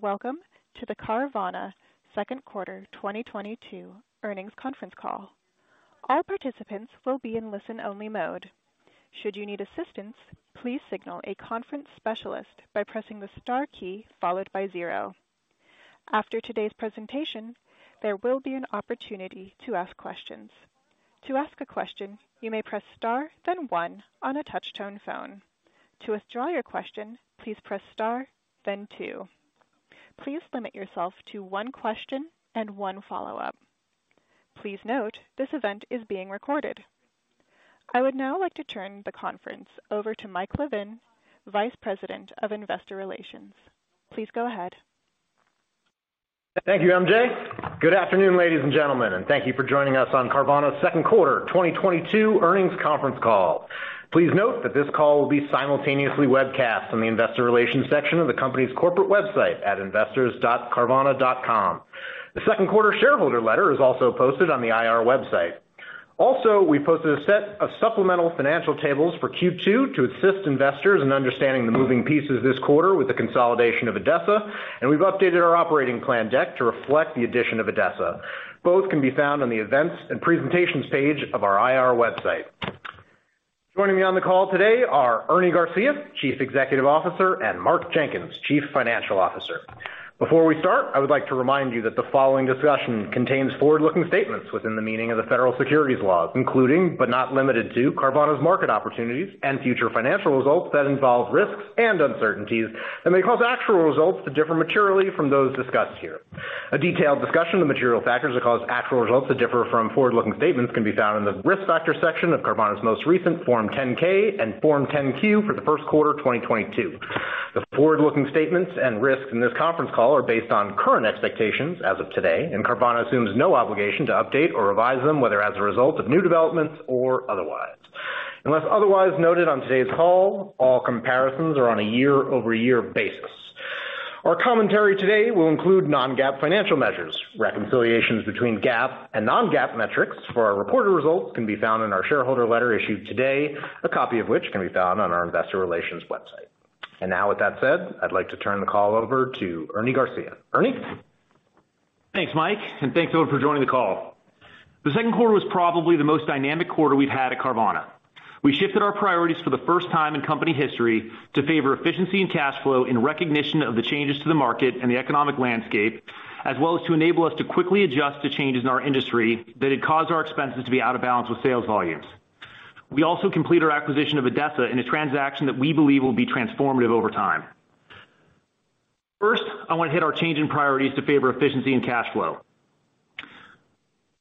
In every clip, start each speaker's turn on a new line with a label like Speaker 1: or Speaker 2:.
Speaker 1: Welcome to the Carvana Second Quarter 2022 Earnings Conference Call. All participants will be in listen-only mode. Should you need assistance, please signal a conference specialist by pressing the star key followed by zero. After today's presentation, there will be an opportunity to ask questions. To ask a question, you may press star then one on a touchtone phone. To withdraw your question, please press star then two. Please limit yourself to one question and one follow-up. Please note this event is being recorded. I would now like to turn the conference over to Mike Levin, Vice President of Investor Relations. Please go ahead.
Speaker 2: Thank you, MJ. Good afternoon, ladies and gentlemen, and thank you for joining us on Carvana's Second Quarter 2022 Earnings Conference Call. Please note that this call will be simultaneously webcast on the investor relations section of the company's corporate website at investors.carvana.com. The second quarter shareholder letter is also posted on the IR website. Also, we posted a set of supplemental financial tables for Q2 to assist investors in understanding the moving pieces this quarter with the consolidation of ADESA, and we've updated our operating plan deck to reflect the addition of ADESA. Both can be found on the Events and Presentations page of our IR website. Joining me on the call today are Ernie Garcia, Chief Executive Officer, and Mark Jenkins, Chief Financial Officer. Before we start, I would like to remind you that the following discussion contains forward-looking statements within the meaning of the federal securities laws, including, but not limited to, Carvana's market opportunities and future financial results that involve risks and uncertainties, and may cause actual results to differ materially from those discussed here. A detailed discussion of the material factors that cause actual results to differ from forward-looking statements can be found in the Risk Factor section of Carvana's most recent Form 10-K and Form 10-Q for the first quarter 2022. The forward-looking statements and risks in this conference call are based on current expectations as of today, and Carvana assumes no obligation to update or revise them, whether as a result of new developments or otherwise. Unless otherwise noted on today's call, all comparisons are on a year-over-year basis. Our commentary today will include non-GAAP financial measures. Reconciliations between GAAP and non-GAAP metrics for our reported results can be found in our shareholder letter issued today, a copy of which can be found on our investor relations website. Now with that said, I'd like to turn the call over to Ernie Garcia. Ernie?
Speaker 3: Thanks, Mike, and thanks everyone for joining the call. The second quarter was probably the most dynamic quarter we've had at Carvana. We shifted our priorities for the first time in company history to favor efficiency and cash flow in recognition of the changes to the market and the economic landscape, as well as to enable us to quickly adjust to changes in our industry that had caused our expenses to be out of balance with sales volumes. We also completed our acquisition of ADESA in a transaction that we believe will be transformative over time. First, I wanna hit our change in priorities to favor efficiency and cash flow.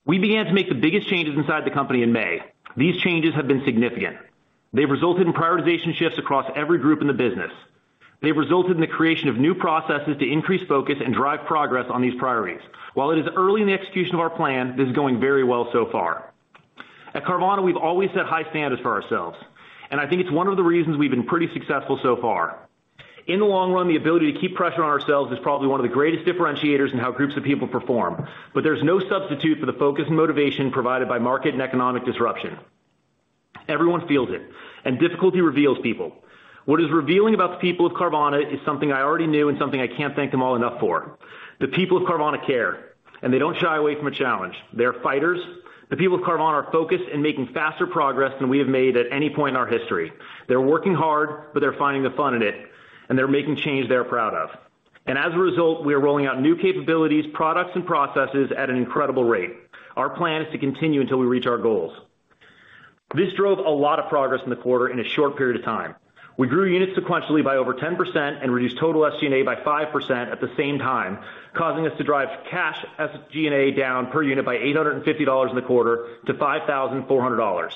Speaker 3: We began to make the biggest changes inside the company in May. These changes have been significant. They've resulted in prioritization shifts across every group in the business. They've resulted in the creation of new processes to increase focus and drive progress on these priorities. While it is early in the execution of our plan, this is going very well so far. At Carvana, we've always set high standards for ourselves, and I think it's one of the reasons we've been pretty successful so far. In the long run, the ability to keep pressure on ourselves is probably one of the greatest differentiators in how groups of people perform, but there's no substitute for the focus and motivation provided by market and economic disruption. Everyone feels it, and difficulty reveals people. What is revealing about the people of Carvana is something I already knew and something I can't thank them all enough for. The people of Carvana care, and they don't shy away from a challenge. They are fighters. The people of Carvana are focused and making faster progress than we have made at any point in our history. They're working hard, but they're finding the fun in it, and they're making change they're proud of. As a result, we are rolling out new capabilities, products, and processes at an incredible rate. Our plan is to continue until we reach our goals. This drove a lot of progress in the quarter in a short period of time. We grew units sequentially by over 10% and reduced total SG&A by 5% at the same time, causing us to drive cash SG&A down per unit by $850 in the quarter to $5,400.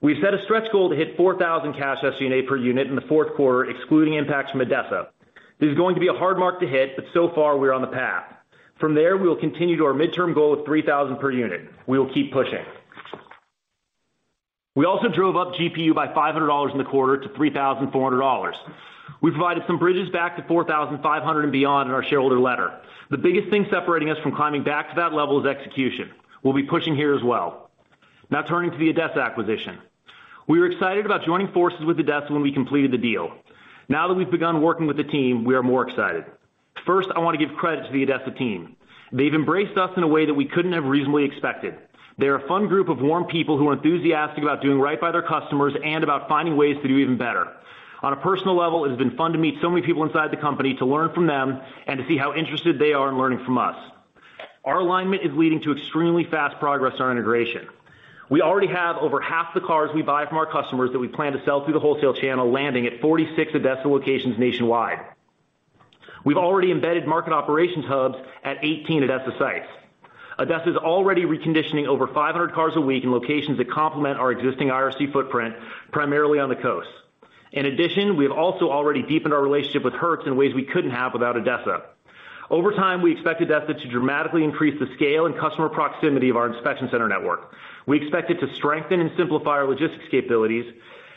Speaker 3: We've set a stretch goal to hit 4,000 cash SG&A per unit in the fourth quarter, excluding impacts from ADESA. This is going to be a hard mark to hit, but so far we're on the path. From there, we will continue to our midterm goal of 3,000 per unit. We will keep pushing. We also drove up GPU by $500 in the quarter to $3,400. We provided some bridges back to $4,500 and beyond in our shareholder letter. The biggest thing separating us from climbing back to that level is execution. We'll be pushing here as well. Now turning to the ADESA acquisition. We were excited about joining forces with ADESA when we completed the deal. Now that we've begun working with the team, we are more excited. First, I wanna give credit to the ADESA team. They've embraced us in a way that we couldn't have reasonably expected. They're a fun group of warm people who are enthusiastic about doing right by their customers and about finding ways to do even better. On a personal level, it has been fun to meet so many people inside the company, to learn from them, and to see how interested they are in learning from us. Our alignment is leading to extremely fast progress on our integration. We already have over half the cars we buy from our customers that we plan to sell through the wholesale channel landing at 46 ADESA locations nationwide. We've already embedded market operations hubs at 18 ADESA sites. ADESA is already reconditioning over 500 cars a week in locations that complement our existing IRC footprint, primarily on the coast. In addition, we have also already deepened our relationship with Hertz in ways we couldn't have without ADESA. Over time, we expect ADESA to dramatically increase the scale and customer proximity of our inspection center network. We expect it to strengthen and simplify our logistics capabilities,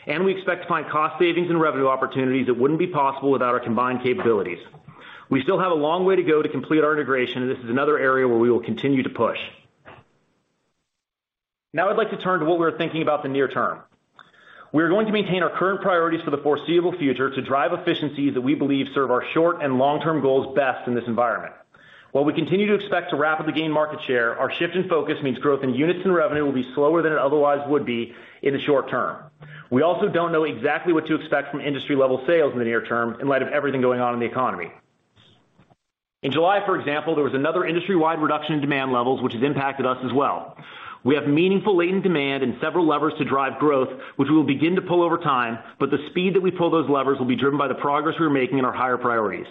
Speaker 3: and we expect to find cost savings and revenue opportunities that wouldn't be possible without our combined capabilities. We still have a long way to go to complete our integration, and this is another area where we will continue to push. Now I'd like to turn to what we're thinking about the near term. We are going to maintain our current priorities for the foreseeable future to drive efficiencies that we believe serve our short and long-term goals best in this environment. While we continue to expect to rapidly gain market share, our shift in focus means growth in units and revenue will be slower than it otherwise would be in the short term. We also don't know exactly what to expect from industry level sales in the near term in light of everything going on in the economy. In July, for example, there was another industry-wide reduction in demand levels which has impacted us as well. We have meaningful latent demand and several levers to drive growth, which we will begin to pull over time, but the speed that we pull those levers will be driven by the progress we are making in our higher priorities.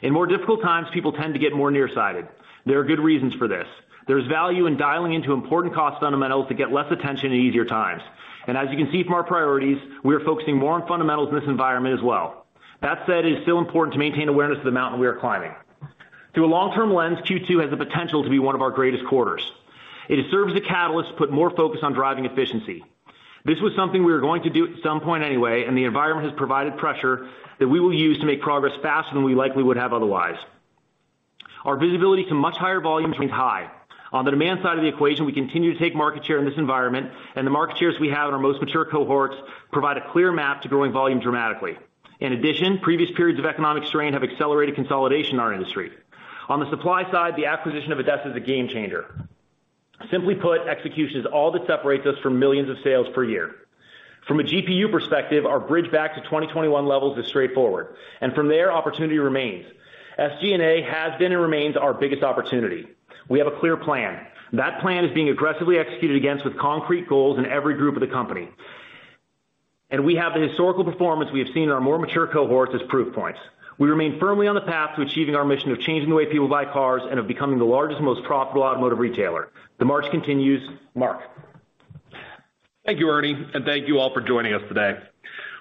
Speaker 3: In more difficult times, people tend to get more nearsighted. There are good reasons for this. There's value in dialing into important cost fundamentals that get less attention in easier times. As you can see from our priorities, we are focusing more on fundamentals in this environment as well. That said, it is still important to maintain awareness of the mountain we are climbing. Through a long-term lens, Q2 has the potential to be one of our greatest quarters. It has served as a catalyst to put more focus on driving efficiency. This was something we were going to do at some point anyway, and the environment has provided pressure that we will use to make progress faster than we likely would have otherwise. Our visibility to much higher volumes remains high. On the demand side of the equation, we continue to take market share in this environment, and the market shares we have in our most mature cohorts provide a clear map to growing volume dramatically. In addition, previous periods of economic strain have accelerated consolidation in our industry. On the supply side, the acquisition of ADESA is a game changer. Simply put, execution is all that separates us from millions of sales per year. From a GPU perspective, our bridge back to 2021 levels is straightforward, and from there, opportunity remains. SG&A has been and remains our biggest opportunity. We have a clear plan. That plan is being aggressively executed against with concrete goals in every group of the company. We have the historical performance we have seen in our more mature cohorts as proof points. We remain firmly on the path to achieving our mission of changing the way people buy cars and of becoming the largest, most profitable automotive retailer. The march continues. Mark.
Speaker 4: Thank you, Ernie, and thank you all for joining us today.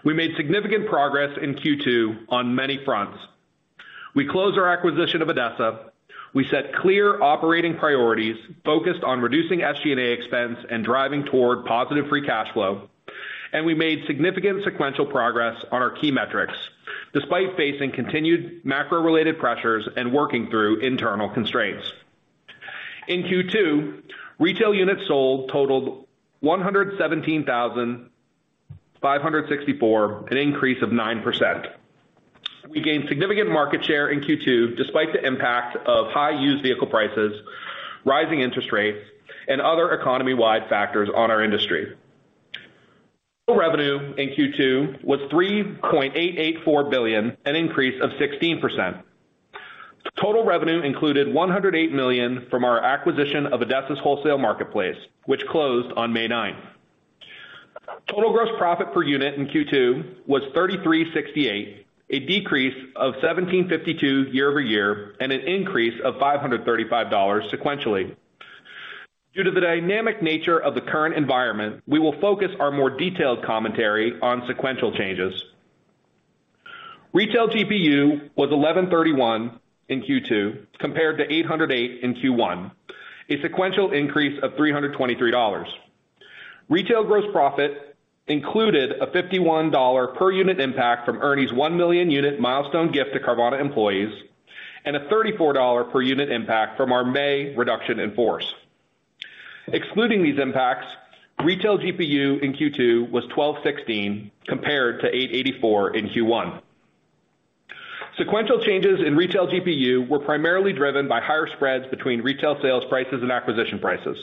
Speaker 4: We made significant progress in Q2 on many fronts. We closed our acquisition of ADESA. We set clear operating priorities focused on reducing SG&A expense and driving toward positive free cash flow. We made significant sequential progress on our key metrics despite facing continued macro-related pressures and working through internal constraints. In Q2, retail units sold totaled 117,564, an increase of 9%. We gained significant market share in Q2 despite the impact of high used vehicle prices, rising interest rates, and other economy-wide factors on our industry. Total revenue in Q2 was $3.884 billion, an increase of 16%. Total revenue included $108 million from our acquisition of ADESA's wholesale marketplace, which closed on May 9th. Total gross profit per unit in Q2 was $3,368, a decrease of $1,752 year-over-year and an increase of $535 sequentially. Due to the dynamic nature of the current environment, we will focus our more detailed commentary on sequential changes. Retail GPU was $1,131 in Q2, compared to $808 in Q1, a sequential increase of $323. Retail gross profit included a $51 per unit impact from Ernie's one million-unit milestone gift to Carvana employees and a $34 per unit impact from our May reduction in force. Excluding these impacts, retail GPU in Q2 was $1,216 compared to $884 in Q1. Sequential changes in retail GPU were primarily driven by higher spreads between retail sales prices and acquisition prices.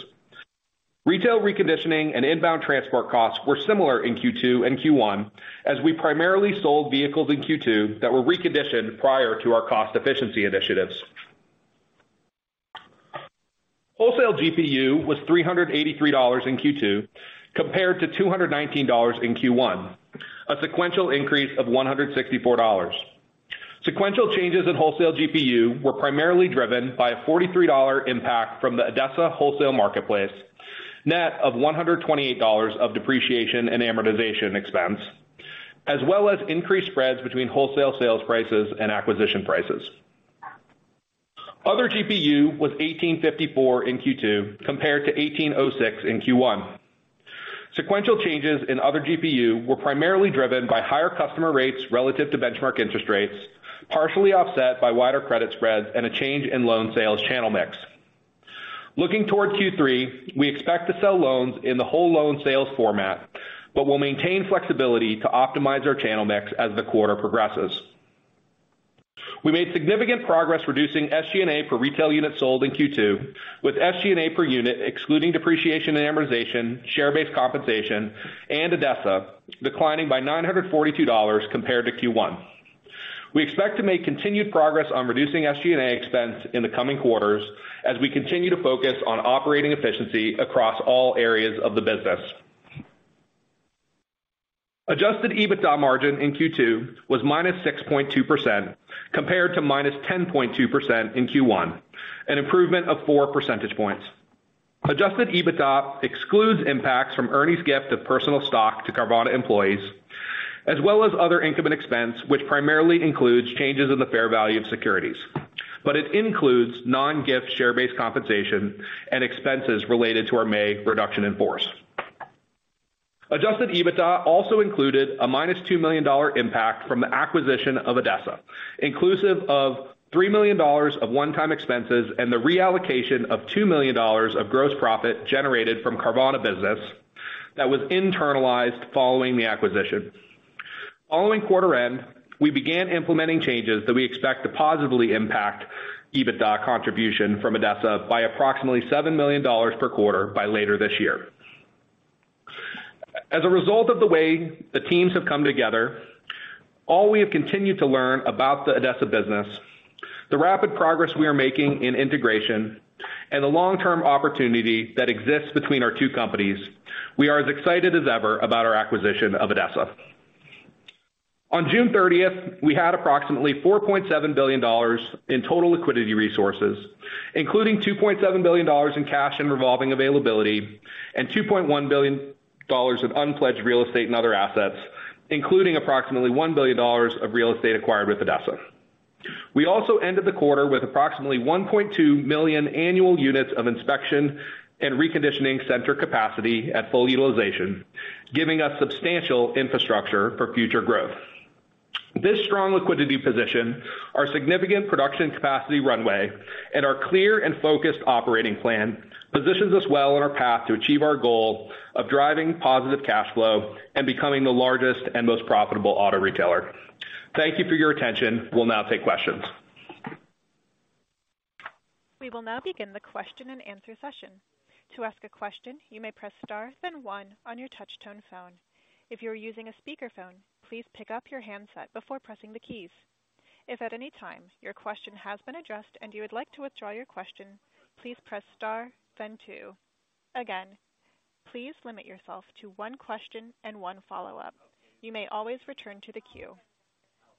Speaker 4: Retail reconditioning and inbound transport costs were similar in Q2 and Q1, as we primarily sold vehicles in Q2 that were reconditioned prior to our cost efficiency initiatives. Wholesale GPU was $383 in Q2 compared to $219 in Q1, a sequential increase of $164. Sequential changes in wholesale GPU were primarily driven by a $43 impact from the ADESA wholesale marketplace, net of $128 of depreciation and amortization expense, as well as increased spreads between wholesale sales prices and acquisition prices. Other GPU was $1,854 in Q2 compared to $1,806 in Q1. Sequential changes in other GPU were primarily driven by higher customer rates relative to benchmark interest rates, partially offset by wider credit spreads and a change in loan sales channel mix. Looking toward Q3, we expect to sell loans in the whole loan sales format, but we'll maintain flexibility to optimize our channel mix as the quarter progresses. We made significant progress reducing SG&A per retail unit sold in Q2 with SG&A per unit excluding depreciation and amortization, share-based compensation, and ADESA declining by $942 compared to Q1. We expect to make continued progress on reducing SG&A expense in the coming quarters as we continue to focus on operating efficiency across all areas of the business. Adjusted EBITDA margin in Q2 was -6.2% compared to -10.2% in Q1, an improvement of four percentage points. Adjusted EBITDA excludes impacts from Ernie's gift of personal stock to Carvana employees, as well as other income and expense, which primarily includes changes in the fair value of securities. It includes non-GAAP share-based compensation and expenses related to our May reduction in force. Adjusted EBITDA also included a minus $2 million impact from the acquisition of ADESA, inclusive of $3 million of one-time expenses and the reallocation of $2 million of gross profit generated from Carvana business that was internalized following the acquisition. Following quarter end, we began implementing changes that we expect to positively impact EBITDA contribution from ADESA by approximately $7 million per quarter by later this year. As a result of the way the teams have come together, as we have continued to learn about the ADESA business, the rapid progress we are making in integration and the long-term opportunity that exists between our two companies, we are as excited as ever about our acquisition of ADESA. On June thirtieth, we had approximately $4.7 billion in total liquidity resources, including $2.7 billion in cash and revolving availability and $2.1 billion of unpledged real estate and other assets, including approximately $1 billion of real estate acquired with ADESA. We also ended the quarter with approximately 1.2 million annual units of inspection and reconditioning center capacity at full utilization, giving us substantial infrastructure for future growth. This strong liquidity position, our significant production capacity runway, and our clear and focused operating plan positions us well on our path to achieve our goal of driving positive cash flow and becoming the largest and most profitable auto retailer. Thank you for your attention. We'll now take questions.
Speaker 1: We will now begin the question-and-answer session. To ask a question, you may press Star, then one on your touchtone phone. If you are using a speakerphone, please pick up your handset before pressing the keys. If at any time your question has been addressed and you would like to withdraw your question, please press Star then two. Again, please limit yourself to one question and one follow-up. You may always return to the queue.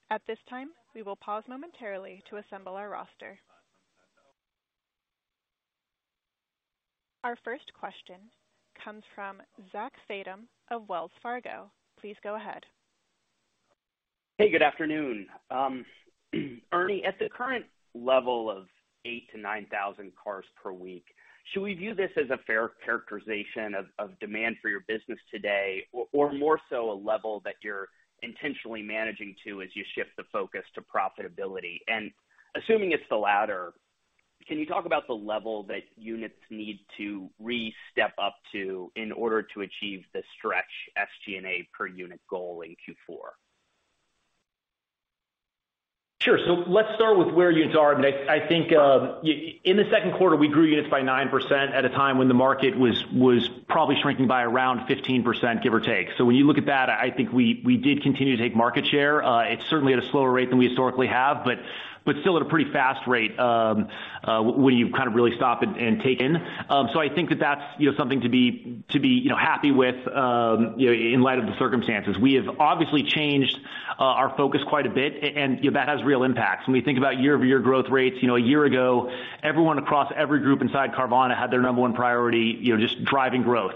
Speaker 1: At this time, we will pause momentarily to assemble our roster. Our first question comes from Zachary Fadem of Wells Fargo. Please go ahead.
Speaker 5: Hey, good afternoon. Ernie, at the current level of 8,000-9,000 cars per week, should we view this as a fair characterization of demand for your business today or more so a level that you're intentionally managing to as you shift the focus to profitability? Assuming it's the latter, can you talk about the level that units need to re-step up to in order to achieve the stretch SG&A per unit goal in Q4?
Speaker 3: Sure. Let's start with where units are. I think in the second quarter, we grew units by 9% at a time when the market was probably shrinking by around 15%, give or take. When you look at that, I think we did continue to take market share. It's certainly at a slower rate than we historically have, but still at a pretty fast rate, when you kind of really stop and take in. I think that you know something to be you know happy with in light of the circumstances. We have obviously changed our focus quite a bit, and that has real impacts. When we think about year-over-year growth rates, you know, a year ago, everyone across every group inside Carvana had their number one priority, you know, just driving growth.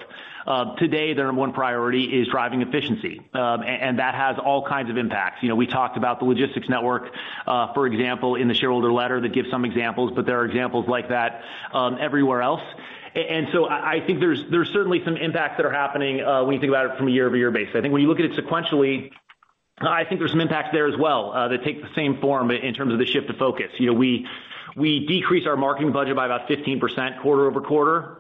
Speaker 3: Today, their number one priority is driving efficiency, and that has all kinds of impacts. You know, we talked about the logistics network, for example, in the shareholder letter that gives some examples, but there are examples like that, everywhere else. I think there's certainly some impacts that are happening, when you think about it from a year-over-year basis. I think when you look at it sequentially, I think there's some impacts there as well, that take the same form in terms of the shift of focus. You know, we decreased our marketing budget by about 15% quarter-over-quarter.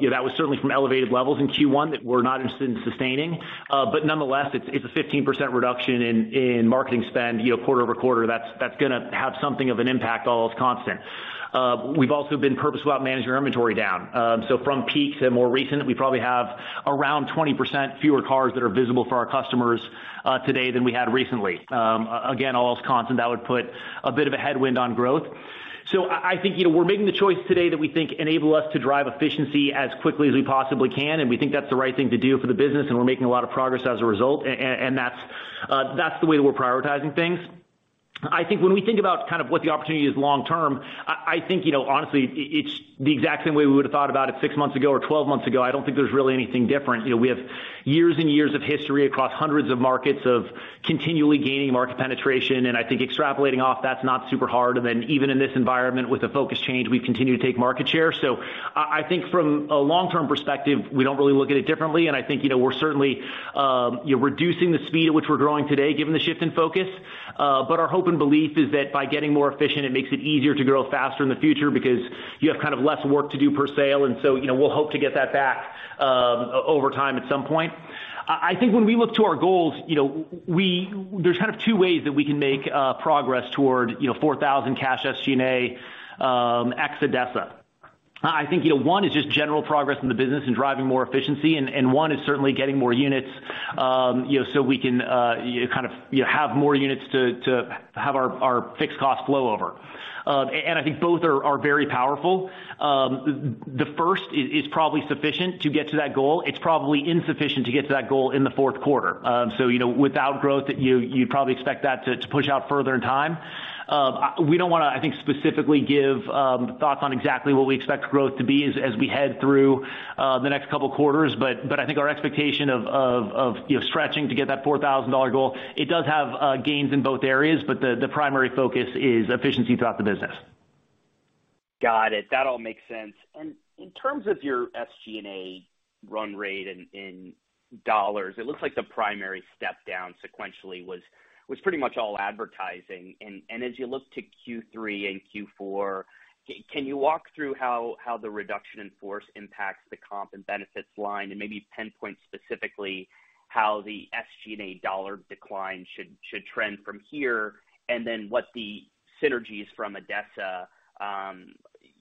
Speaker 3: You know, that was certainly from elevated levels in Q1 that we're not interested in sustaining. Nonetheless, it's a 15% reduction in marketing spend, you know, quarter-over-quarter. That's gonna have something of an impact all else constant. We've also been purposeful about managing our inventory down. From peak to more recent, we probably have around 20% fewer cars that are visible for our customers today than we had recently. Again, all else constant, that would put a bit of a headwind on growth. I think, you know, we're making the choice today that we think enable us to drive efficiency as quickly as we possibly can, and we think that's the right thing to do for the business, and we're making a lot of progress as a result, and that's the way that we're prioritizing things. I think when we think about kind of what the opportunity is long term, I think, you know, honestly, it's the exact same way we would have thought about it six months ago or 12 months ago. I don't think there's really anything different. You know, we have years and years of history across hundreds of markets of continually gaining market penetration, and I think extrapolating off, that's not super hard. Even in this environment, with the focus change, we've continued to take market share. I think from a long-term perspective, we don't really look at it differently. I think, you know, we're certainly reducing the speed at which we're growing today given the shift in focus. Our hope and belief is that by getting more efficient, it makes it easier to grow faster in the future because you have kind of less work to do per sale. You know, we'll hope to get that back over time at some point. I think when we look to our goals, you know, there's kind of two ways that we can make progress toward, you know, $4,000 cash SG&A ex ADESA. I think, you know, one is just general progress in the business and driving more efficiency, and one is certainly getting more units, you know, so we can kind of, you know, have more units to have our fixed cost flow over. I think both are very powerful. The first is probably sufficient to get to that goal. It's probably insufficient to get to that goal in the fourth quarter. You know, without growth, you probably expect that to push out further in time. We don't wanna, I think, specifically give thoughts on exactly what we expect growth to be as we head through the next couple quarters. I think our expectation of, you know, stretching to get that $4,000 goal. It does have gains in both areas, but the primary focus is efficiency throughout the business.
Speaker 5: Got it. That all makes sense. In terms of your SG&A run rate in dollars, it looks like the primary step down sequentially was pretty much all advertising. As you look to Q3 and Q4, can you walk through how the reduction in force impacts the comp and benefits line and maybe pinpoint specifically how the SG&A dollar decline should trend from here? Then what the synergies from ADESA,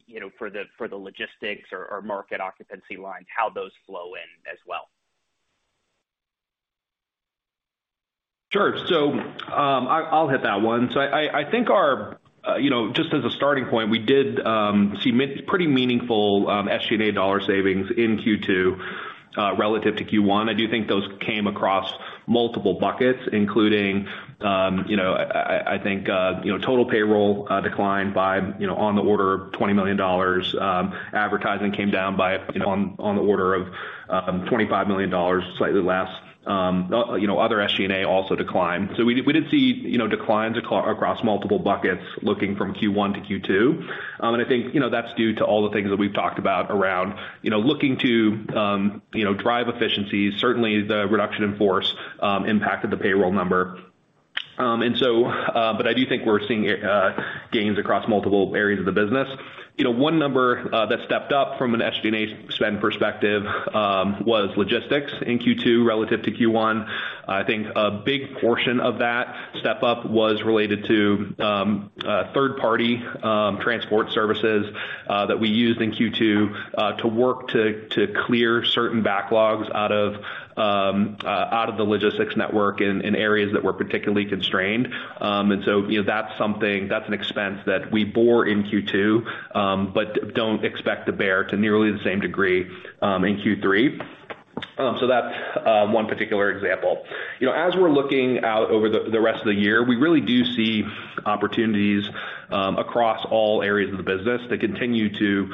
Speaker 5: you know, for the logistics or market occupancy lines, how those flow in as well.
Speaker 3: Sure. I'll hit that one. I think our, you know, just as a starting point, we did see pretty meaningful SG&A dollar savings in Q2, relative to Q1. I do think those came across multiple buckets, including, you know, I think, you know, total payroll declined by, you know, on the order of $20 million. Advertising came down by, you know, on the order of $25 million, slightly less. You know, other SG&A also declined. We did see, you know, declines across multiple buckets looking from Q1 to Q2. I think, you know, that's due to all the things that we've talked about around, you know, looking to, you know, drive efficiencies. Certainly, the reduction in force impacted the payroll number. I do think we're seeing gains across multiple areas of the business. You know, one number that stepped up from an SG&A spend perspective was logistics in Q2 relative to Q1. I think a big portion of that step up was related to third party transport services that we used in Q2 to clear certain backlogs out of the logistics network in areas that were particularly constrained. You know, that's an expense that we bore in Q2, but don't expect to bear to nearly the same degree in Q3. That's one particular example. You know, as we're looking out over the rest of the year, we really do see opportunities across all areas of the business that continue to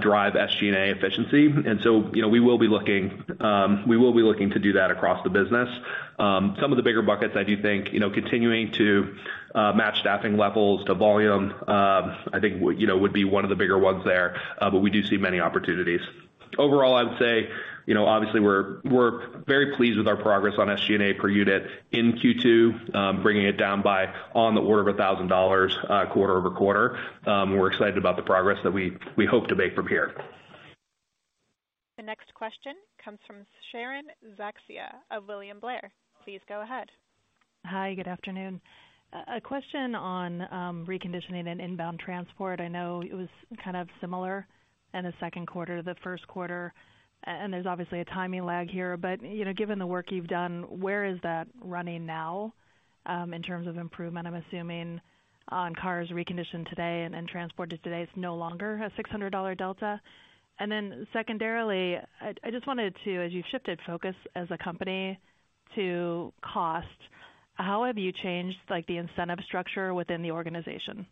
Speaker 3: drive SG&A efficiency. You know, we will be looking to do that across the business. Some of the bigger buckets, I do think, you know, continuing to match staffing levels to volume, I think would be one of the bigger ones there, but we do see many opportunities. Overall, I would say, you know, obviously we're very pleased with our progress on SG&A per unit in Q2, bringing it down by on the order of $1,000 quarter-over-quarter. We're excited about the progress that we hope to make from here.
Speaker 1: The next question comes from Sharon Zackfia of William Blair. Please go ahead.
Speaker 6: Hi, good afternoon. A question on reconditioning and inbound transport. I know it was kind of similar in the second quarter to the first quarter, and there's obviously a timing lag here, but you know, given the work you've done, where is that running now in terms of improvement? I'm assuming on cars reconditioned today and transported today, it's no longer a $600 delta. Secondarily, I just wanted to, as you've shifted focus as a company to cost, how have you changed, like, the incentive structure within the organization?
Speaker 3: Sure.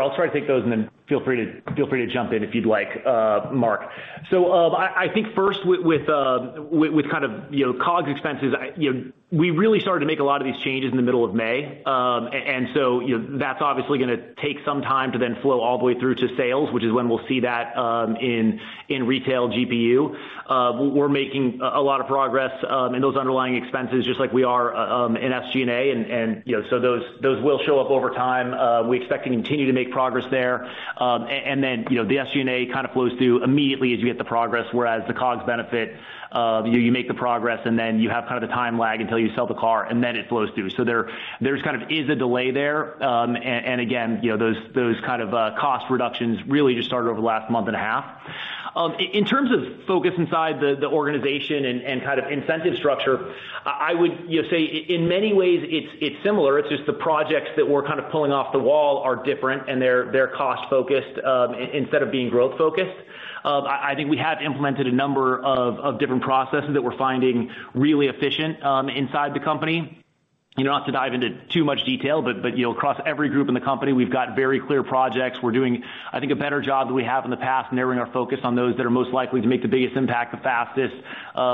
Speaker 3: I'll try to take those and then feel free to jump in if you'd like, Mark. I think first with kind of, you know, COGS expenses, you know, we really started to make a lot of these changes in the middle of May. That's obviously gonna take some time to then flow all the way through to sales, which is when we'll see that in Retail GPU. We're making a lot of progress in those underlying expenses just like we are in SG&A. You know, those will show up over time. We expect to continue to make progress there. You know, the SG&A kind of flows through immediately as you get the progress, whereas the COGS benefit, you make the progress and then you have kind of a time lag until you sell the car and then it flows through. There's kind of a delay there. Again, you know, those kind of cost reductions really just started over the last month and a half. In terms of focus inside the organization and kind of incentive structure, I would, you know, say in many ways it's similar. It's just the projects that we're kind of pulling off the wall are different and they're cost-focused instead of being growth-focused. I think we have implemented a number of different processes that we're finding really efficient inside the company. You know, not to dive into too much detail, but you know, across every group in the company, we've got very clear projects. We're doing, I think, a better job than we have in the past, narrowing our focus on those that are most likely to make the biggest impact the fastest. You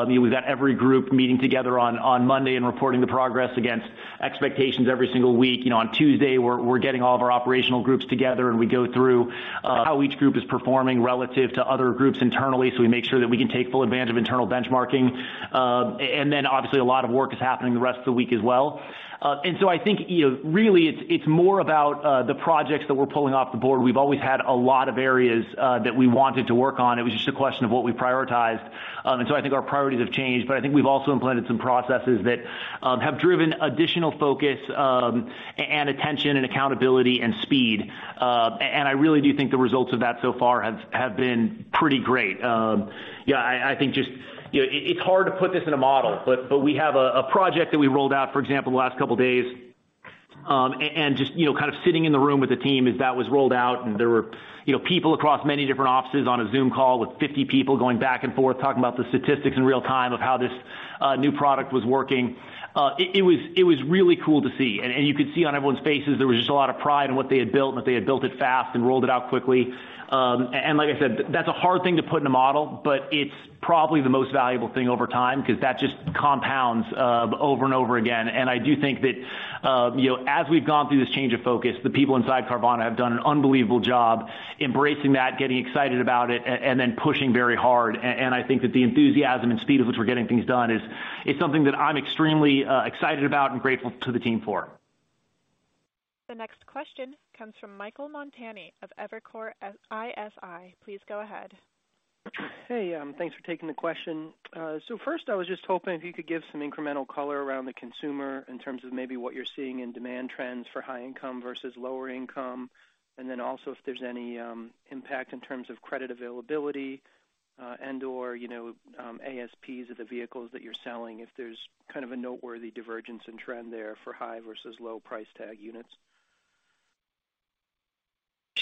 Speaker 3: know, we've got every group meeting together on Monday and reporting the progress against expectations every single week. You know, on Tuesday, we're getting all of our operational groups together and we go through how each group is performing relative to other groups internally, so we make sure that we can take full advantage of internal benchmarking. Obviously a lot of work is happening the rest of the week as well. I think, you know, really it's more about the projects that we're pulling off the board. We've always had a lot of areas that we wanted to work on. It was just a question of what we prioritized. I think our priorities have changed, but I think we've also implemented some processes that have driven additional focus, and attention and accountability and speed. And I really do think the results of that so far have been pretty great. Yeah, I think just, you know, it's hard to put this in a model, but we have a project that we rolled out, for example, the last couple of days. Just, you know, kind of sitting in the room with the team as that was rolled out and there were, you know, people across many different offices on a Zoom call with 50 people going back and forth talking about the statistics in real time of how this new product was working. It was really cool to see. You could see on everyone's faces there was just a lot of pride in what they had built, and that they had built it fast and rolled it out quickly. Like I said, that's a hard thing to put in a model, but it's probably the most valuable thing over time 'cause that just compounds over and over again. I do think that, you know, as we've gone through this change of focus, the people inside Carvana have done an unbelievable job embracing that, getting excited about it, and then pushing very hard. I think that the enthusiasm and speed at which we're getting things done is something that I'm extremely excited about and grateful to the team for.
Speaker 1: The next question comes from Michael Montani of Evercore ISI. Please go ahead.
Speaker 7: Hey, thanks for taking the question. So first, I was just hoping if you could give some incremental color around the consumer in terms of maybe what you're seeing in demand trends for high income versus lower income, and then also if there's any impact in terms of credit availability, and/or, you know, ASPs of the vehicles that you're selling, if there's kind of a noteworthy divergence in trend there for high versus low price tag units.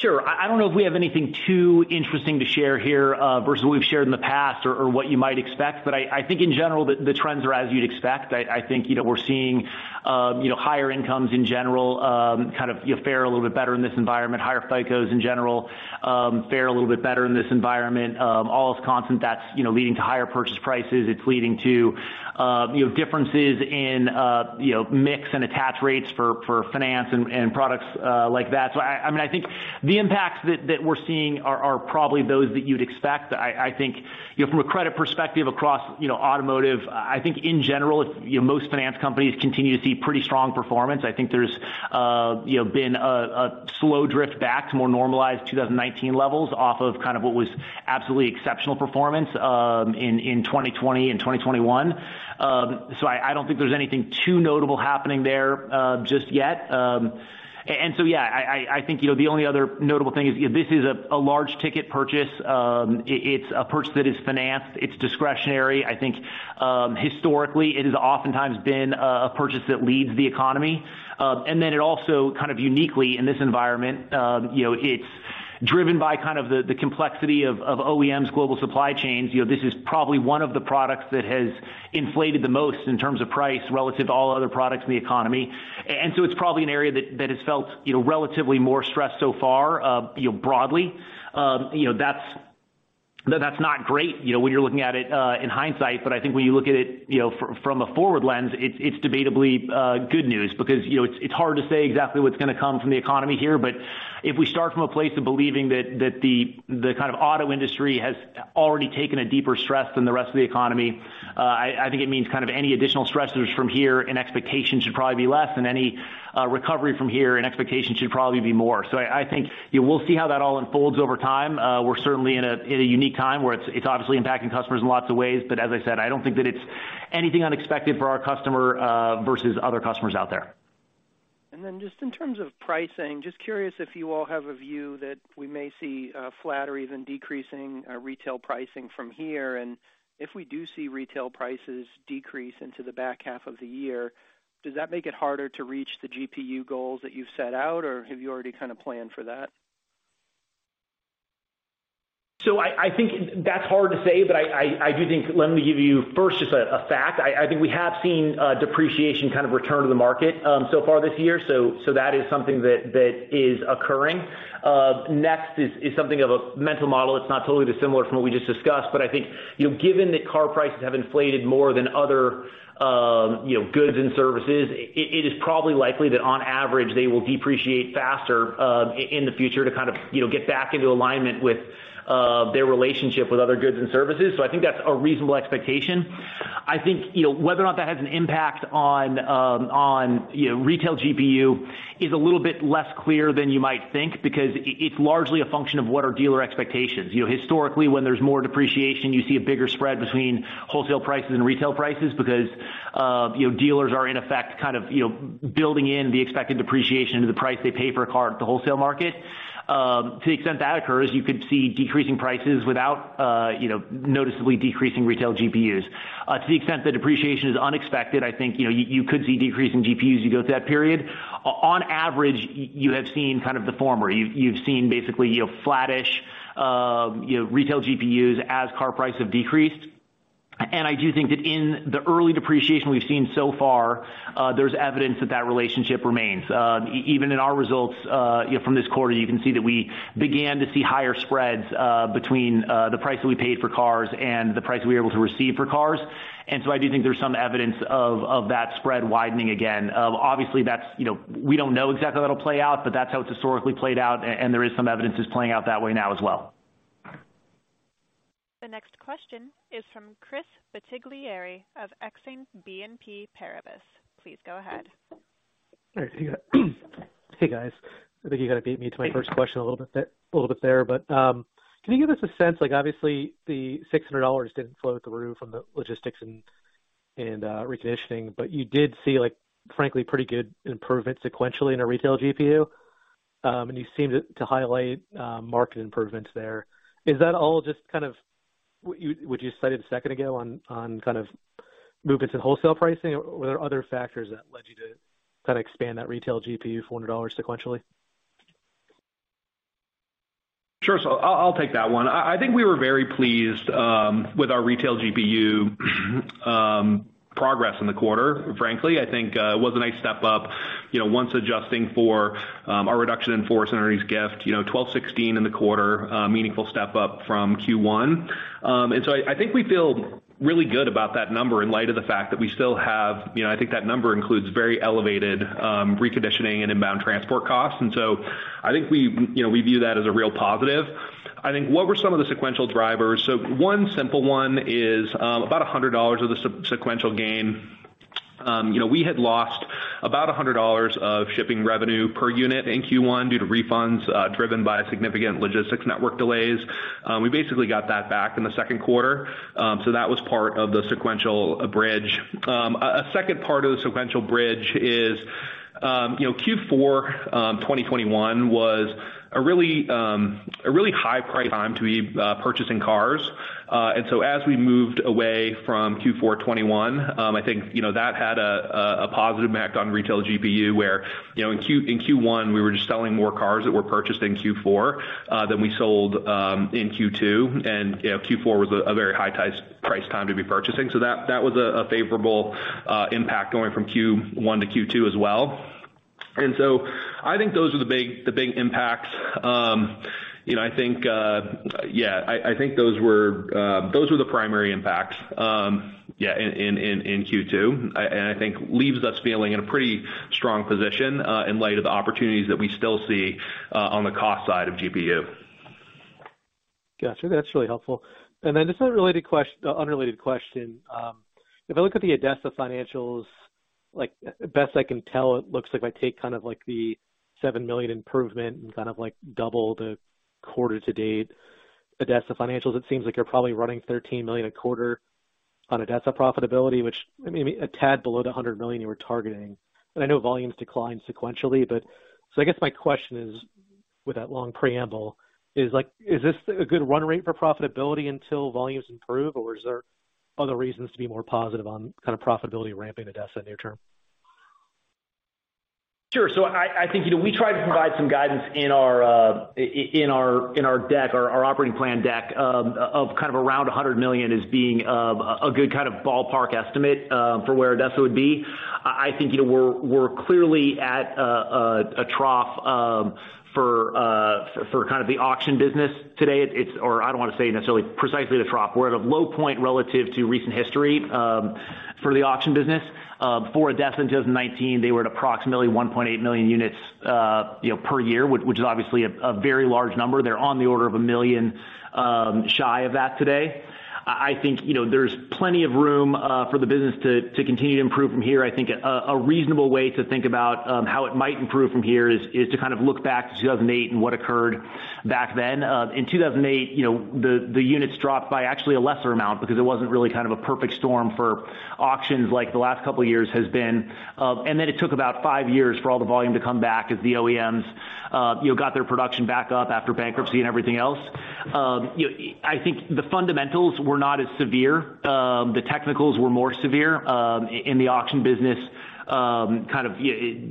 Speaker 3: Sure. I don't know if we have anything too interesting to share here versus what we've shared in the past or what you might expect. I think in general, the trends are as you'd expect. I think, you know, we're seeing you know, higher incomes in general kind of fare a little bit better in this environment. Higher FICOs in general fare a little bit better in this environment. All else constant, that's you know, leading to higher purchase prices. It's leading to you know, differences in you know, mix and attach rates for finance and products like that. I mean, I think the impacts that we're seeing are probably those that you'd expect. I think, you know, from a credit perspective across, you know, automotive, I think in general, you know, most finance companies continue to see pretty strong performance. I think there's, you know, been a slow drift back to more normalized 2019 levels off of kind of what was absolutely exceptional performance in 2020 and 2021. I don't think there's anything too notable happening there just yet. Yeah, I think, you know, the only other notable thing is this is a large ticket purchase. It's a purchase that is financed. It's discretionary. I think historically it has oftentimes been a purchase that leads the economy. It also kind of uniquely in this environment, you know, it's driven by kind of the complexity of OEMs global supply chains. You know, this is probably one of the products that has inflated the most in terms of price relative to all other products in the economy. It's probably an area that has felt, you know, relatively more stressed so far, you know, broadly. You know, that's not great, you know, when you're looking at it in hindsight, but I think when you look at it, you know, from a forward lens, it's debatably good news because, you know, it's hard to say exactly what's gonna come from the economy here. If we start from a place of believing that the kind of auto industry has already taken a deeper stress than the rest of the economy, I think it means kind of any additional stresses from here and expectations should probably be less and any recovery from here and expectations should probably be more. I think we'll see how that all unfolds over time. We're certainly in a unique time where it's obviously impacting customers in lots of ways, but as I said, I don't think that it's anything unexpected for our customer versus other customers out there.
Speaker 7: Just in terms of pricing, just curious if you all have a view that we may see flat or even decreasing retail pricing from here? If we do see retail prices decrease into the back half of the year, does that make it harder to reach the GPU goals that you've set out, or have you already kinda planned for that?
Speaker 3: I think that's hard to say, but I do think let me give you first just a fact. I think we have seen depreciation kind of return to the market so far this year. That is something that is occurring. Next is something of a mental model that's not totally dissimilar from what we just discussed. I think you know given that car prices have inflated more than other you know goods and services, it is probably likely that on average, they will depreciate faster in the future to kind of you know get back into alignment with their relationship with other goods and services. I think that's a reasonable expectation. I think, you know, whether or not that has an impact on, you know, Retail GPU is a little bit less clear than you might think because it's largely a function of what are dealer expectations. You know, historically, when there's more depreciation, you see a bigger spread between wholesale prices and retail prices because, you know, dealers are in effect, kind of, you know, building in the expected depreciation into the price they pay for a car at the wholesale market. To the extent that occurs, you could see decreasing prices without, you know, noticeably decreasing Retail GPUs. To the extent the depreciation is unexpected, I think, you know, you could see decreasing GPUs as you go through that period. On average, you have seen kind of the former. You've seen basically, you know, flattish retail GPUs as car prices have decreased. I do think that in the early depreciation we've seen so far, there's evidence that that relationship remains. Even in our results, you know, from this quarter, you can see that we began to see higher spreads between the price that we paid for cars and the price we were able to receive for cars. I do think there's some evidence of that spread widening again. Obviously that's, you know, we don't know exactly how that'll play out, but that's how it's historically played out, and there is some evidence it's playing out that way now as well.
Speaker 1: The next question is from Chris Bottiglieri of Exane BNP Paribas. Please go ahead.
Speaker 8: All right. Hey, guys. I think you kind of beat me to my first question a little bit there. Can you give us a sense, like obviously the $600 didn't flow through from the logistics and reconditioning, but you did see like, frankly, pretty good improvement sequentially in a retail GPU. You seemed to highlight market improvements there. Is that all just kind of what you cited a second ago on kind of movements in wholesale pricing, or were there other factors that led you to kinda expand that retail GPU $400 sequentially?
Speaker 3: Sure. I'll take that one. I think we were very pleased with our retail GPU progress in the quarter, frankly. I think it was a nice step up, you know, once adjusting for our reduction in force and gift, you know, $1,216 in the quarter, a meaningful step up from Q1. I think we feel really good about that number in light of the fact that we still have. You know, I think that number includes very elevated reconditioning and inbound transport costs. I think we, you know, we view that as a real positive. I think what were some of the sequential drivers? One simple one is about $100 of the sequential gain. You know, we had lost about $100 of shipping revenue per unit in Q1 due to refunds, driven by significant logistics network delays. We basically got that back in the second quarter. That was part of the sequential bridge. A second part of the sequential bridge is, you know, Q4 2021 was a really high price time to be purchasing cars. As we moved away from Q4 2021, I think, you know, that had a positive impact on retail GPU where, you know, in Q1, we were just selling more cars that were purchased in Q4 than we sold in Q2. You know, Q4 was a very high price time to be purchasing. That was a favorable impact going from Q1 to Q2 as well. I think those are the big impacts. You know, I think those were the primary impacts in Q2. I think leaves us feeling in a pretty strong position in light of the opportunities that we still see on the cost side of GPU.
Speaker 8: Got you. That's really helpful. Then just a unrelated question. If I look at the ADESA financials, like, best I can tell, it looks like if I take kind of like the $7 million improvement and kind of like double the quarter to date ADESA financials, it seems like you're probably running $13 million a quarter on ADESA profitability, which may mean a tad below the $100 million you were targeting. I know volumes declined sequentially, but. I guess my question is, with that long preamble, is like, is this a good run rate for profitability until volumes improve, or is there other reasons to be more positive on kind of profitability ramping ADESA near term?
Speaker 3: Sure. I think, you know, we tried to provide some guidance in our operating plan deck of kind of around $100 million as being a good kind of ballpark estimate for where ADESA would be. I think, you know, we're clearly at a trough for kind of the auction business today. I don't wanna say necessarily precisely the trough. We're at a low point relative to recent history for the auction business. Before ADESA, in 2019, they were at approximately 1.8 million units, you know, per year, which is obviously a very large number. They're on the order of 1 million shy of that today. I think, you know, there's plenty of room for the business to continue to improve from here. I think a reasonable way to think about how it might improve from here is to kind of look back to 2008 and what occurred back then. In 2008, you know, the units dropped by actually a lesser amount because it wasn't really kind of a perfect storm for auctions like the last couple of years has been. It took about five years for all the volume to come back as the OEMs, you know, got their production back up after bankruptcy and everything else. I think the fundamentals were not as severe. The technicals were more severe in the auction business kind of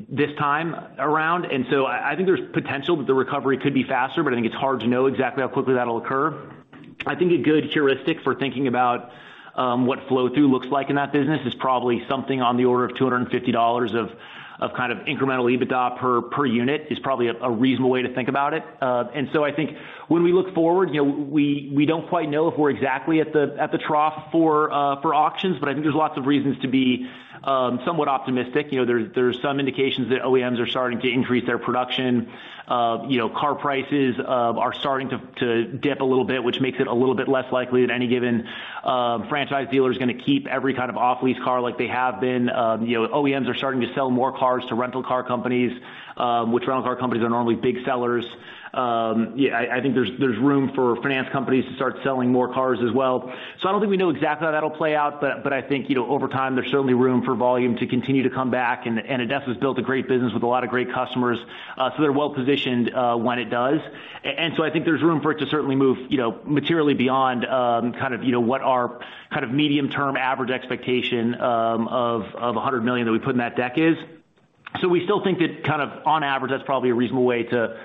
Speaker 3: this time around. I think there's potential that the recovery could be faster, but I think it's hard to know exactly how quickly that'll occur. I think a good heuristic for thinking about what flow-through looks like in that business is probably something on the order of $250 of kind of incremental EBITDA per unit is probably a reasonable way to think about it. I think when we look forward, we don't quite know if we're exactly at the trough for auctions, but I think there's lots of reasons to be somewhat optimistic. There's some indications that OEMs are starting to increase their production. You know, car prices are starting to dip a little bit, which makes it a little bit less likely that any given franchise dealer is gonna keep every kind of off-lease car like they have been. You know, OEMs are starting to sell more cars to rental car companies, which rental car companies are normally big sellers. Yeah, I think there's room for finance companies to start selling more cars as well. I don't think we know exactly how that'll play out, but I think, you know, over time, there's certainly room for volume to continue to come back and ADESA's built a great business with a lot of great customers, so they're well-positioned when it does. I think there's room for it to certainly move, you know, materially beyond, kind of, you know, what our kind of medium term average expectation of $100 million that we put in that deck is. We still think that kind of on average, that's probably a reasonable way to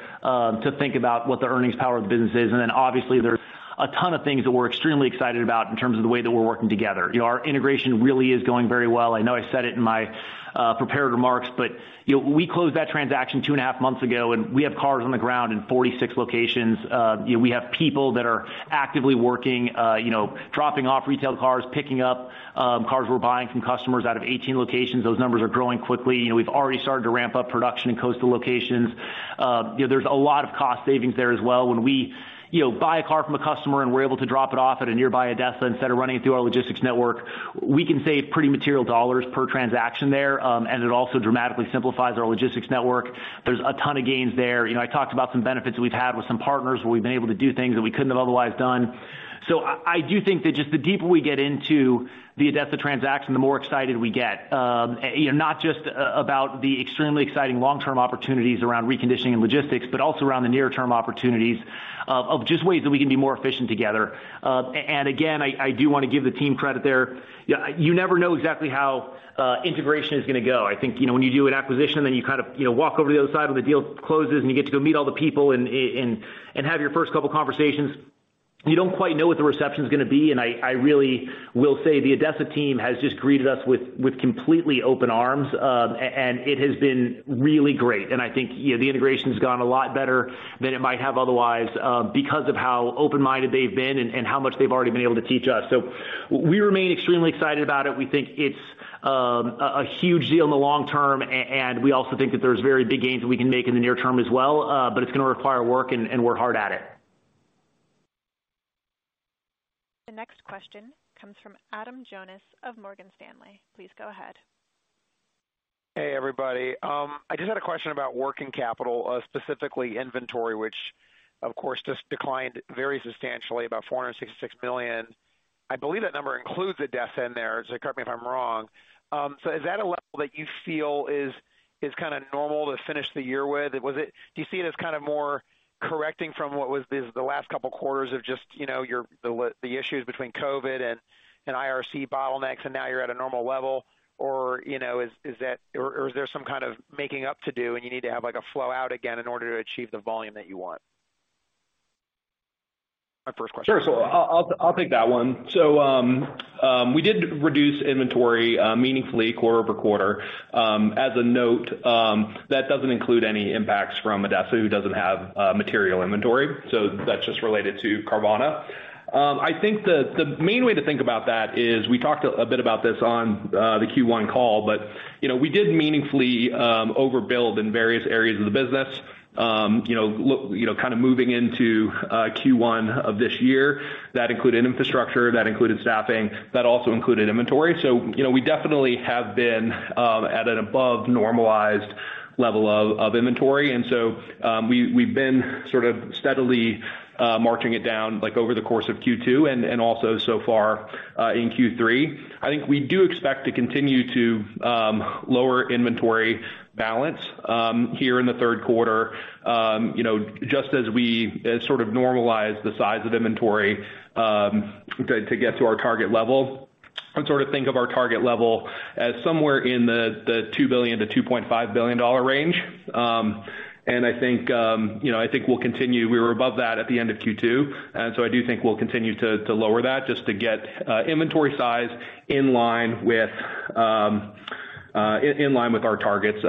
Speaker 3: think about what the earnings power of the business is. Then obviously, there's a ton of things that we're extremely excited about in terms of the way that we're working together. You know, our integration really is going very well. I know I said it in my prepared remarks, but, you know, we closed that transaction two and a half months ago, and we have cars on the ground in 46 locations. You know, we have people that are actively working, you know, dropping off retail cars, picking up, cars we're buying from customers out of 18 locations. Those numbers are growing quickly. You know, we've already started to ramp up production in coastal locations. You know, there's a lot of cost savings there as well. When we, you know, buy a car from a customer and we're able to drop it off at a nearby ADESA instead of running it through our logistics network, we can save pretty material dollars per transaction there. It also dramatically simplifies our logistics network. There's a ton of gains there. You know, I talked about some benefits we've had with some partners where we've been able to do things that we couldn't have otherwise done. I do think that just the deeper we get into the ADESA transaction, the more excited we get. You know, not just about the extremely exciting long-term opportunities around reconditioning and logistics, but also around the near-term opportunities of just ways that we can be more efficient together. And again, I do wanna give the team credit there. You never know exactly how integration is gonna go. I think, you know, when you do an acquisition, then you kind of, you know, walk over to the other side when the deal closes and you get to go meet all the people and and have your first couple conversations, you don't quite know what the reception's gonna be. I really will say the ADESA team has just greeted us with completely open arms. It has been really great. I think, you know, the integration's gone a lot better than it might have otherwise, because of how open-minded they've been and how much they've already been able to teach us. We remain extremely excited about it. We think it's a huge deal in the long term. We also think that there's very big gains that we can make in the near term as well. It's gonna require work and we're hard at it.
Speaker 1: The next question comes from Adam Jonas of Morgan Stanley. Please go ahead.
Speaker 9: Hey, everybody. I just had a question about working capital, specifically inventory, which of course just declined very substantially, about $466 million. I believe that number includes a debit in there, so correct me if I'm wrong. So is that a level that you feel is kinda normal to finish the year with? Do you see it as kind of more correcting from what was the last couple of quarters of just, you know, the issues between COVID and IRC bottlenecks, and now you're at a normal level? Or, you know, is that. Or is there some kind of making up to do and you need to have, like, a flow out again in order to achieve the volume that you want? My first question.
Speaker 4: Sure. I'll take that one. We did reduce inventory meaningfully quarter-over-quarter. As a note, that doesn't include any impacts from ADESA, who doesn't have material inventory. That's just related to Carvana. I think the main way to think about that is we talked a bit about this on the Q1 call. You know, we did meaningfully overbuild in various areas of the business. You know kinda moving into Q1 of this year. That included infrastructure, that included staffing, that also included inventory. You know, we definitely have been at an above normalized level of inventory. We've been sort of steadily marching it down like over the course of Q2 and also so far in Q3. I think we do expect to continue to lower inventory balance here in the third quarter, you know, just as we sort of normalize the size of inventory to get to our target level and sort of think of our target level as somewhere in the $2 billion-$2.5 billion range. I think we'll continue. We were above that at the end of Q2, and I do think we'll continue to lower that just to get inventory size in line with our targets,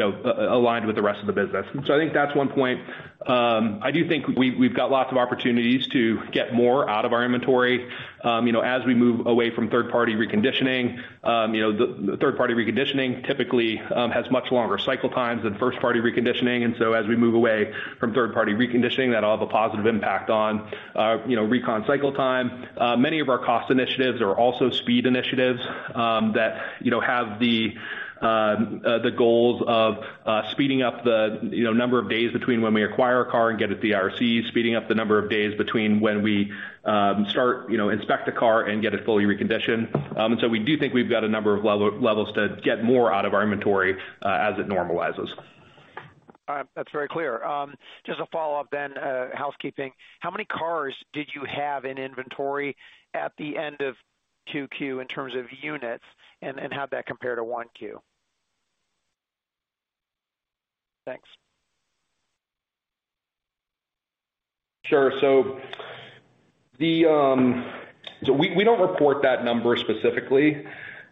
Speaker 4: aligned with the rest of the business. I think that's one point. I do think we've got lots of opportunities to get more out of our inventory, you know, as we move away from third-party reconditioning. You know, the third-party reconditioning typically has much longer cycle times than first-party reconditioning. As we move away from third-party reconditioning, that'll have a positive impact on, you know, recon cycle time. Many of our cost initiatives are also speed initiatives, that you know have the goals of speeding up the you know number of days between when we acquire a car and get it to IRC, speeding up the number of days between when we start you know inspect a car and get it fully reconditioned. We do think we've got a number of levels to get more out of our inventory, as it normalizes.
Speaker 9: All right. That's very clear. Just a follow-up, housekeeping. How many cars did you have in inventory at the end of 2Q in terms of units, and how'd that compare to 1Q? Thanks.
Speaker 4: Sure. We don't report that number specifically,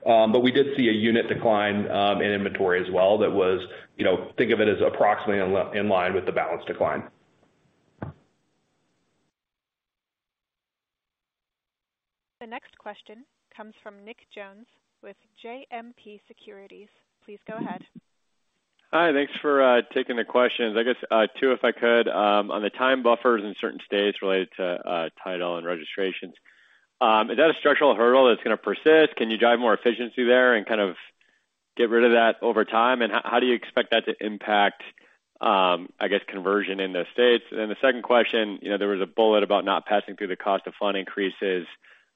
Speaker 4: but we did see a unit decline in inventory as well. That was, you know, think of it as approximately in line with the balance decline.
Speaker 1: The next question comes from Nick Jones with JMP Securities. Please go ahead.
Speaker 10: Hi. Thanks for taking the questions. I guess two, if I could. On the time buffers in certain states related to title and registrations, is that a structural hurdle that's gonna persist? Can you drive more efficiency there and kind of get rid of that over time? And how do you expect that to impact, I guess, conversion in those states? And then the second question, you know, there was a bullet about not passing through the cost of fund increases.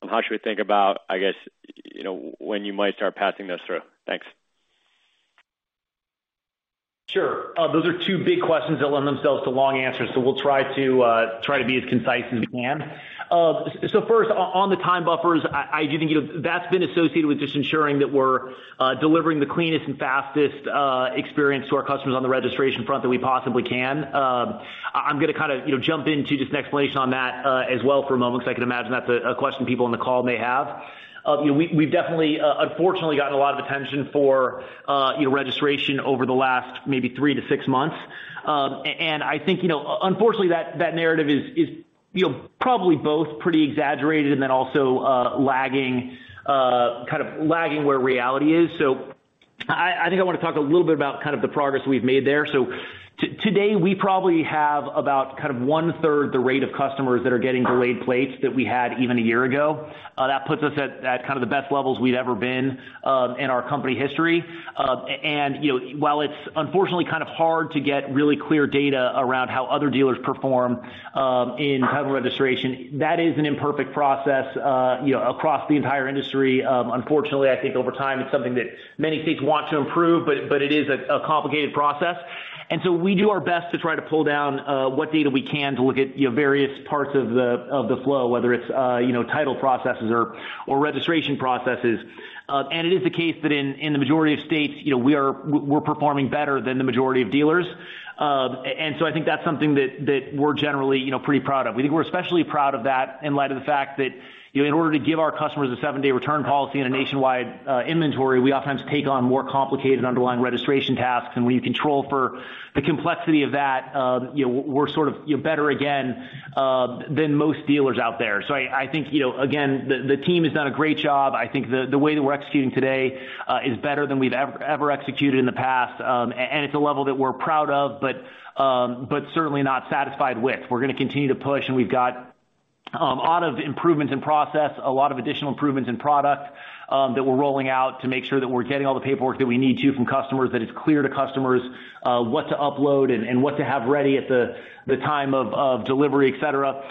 Speaker 10: How should we think about, I guess, you know, when you might start passing this through? Thanks.
Speaker 3: Sure. Those are two big questions that lend themselves to long answers. We'll try to be as concise as we can. First, on the time buffers, I do think, you know, that's been associated with just ensuring that we're delivering the cleanest and fastest experience to our customers on the registration front that we possibly can. I'm gonna kinda, you know, jump into just an explanation on that as well for a moment, because I can imagine that's a question people on the call may have. You know, we've definitely unfortunately gotten a lot of attention for, you know, registration over the last maybe three to six months. I think, you know, unfortunately, that narrative is, you know, probably both pretty exaggerated and then also lagging where reality is. I think I want to talk a little bit about kind of the progress we've made there. Today, we probably have about kind of 1/3 the rate of customers that are getting delayed plates that we had even a year ago. That puts us at kind of the best levels we've ever been in our company history. You know, while it's unfortunately kind of hard to get really clear data around how other dealers perform in title registration, that is an imperfect process, you know, across the entire industry. Unfortunately, I think over time it's something that many states want to improve, but it is a complicated process. We do our best to try to pull down what data we can to look at, you know, various parts of the flow, whether it's, you know, title processes or registration processes. It is the case that in the majority of states, you know, we're performing better than the majority of dealers. I think that's something that we're generally, you know, pretty proud of. We think we're especially proud of that in light of the fact that, you know, in order to give our customers a seven-day return policy and a nationwide inventory, we oftentimes take on more complicated underlying registration tasks. When you control for the complexity of that, you know, we're sort of, you know, better again than most dealers out there. I think, you know, again, the team has done a great job. I think the way that we're executing today is better than we've ever executed in the past. It's a level that we're proud of, but certainly not satisfied with. We're gonna continue to push, and we've got a lot of improvements in process, a lot of additional improvements in product that we're rolling out to make sure that we're getting all the paperwork that we need to from customers, that it's clear to customers what to upload and what to have ready at the time of delivery, etc.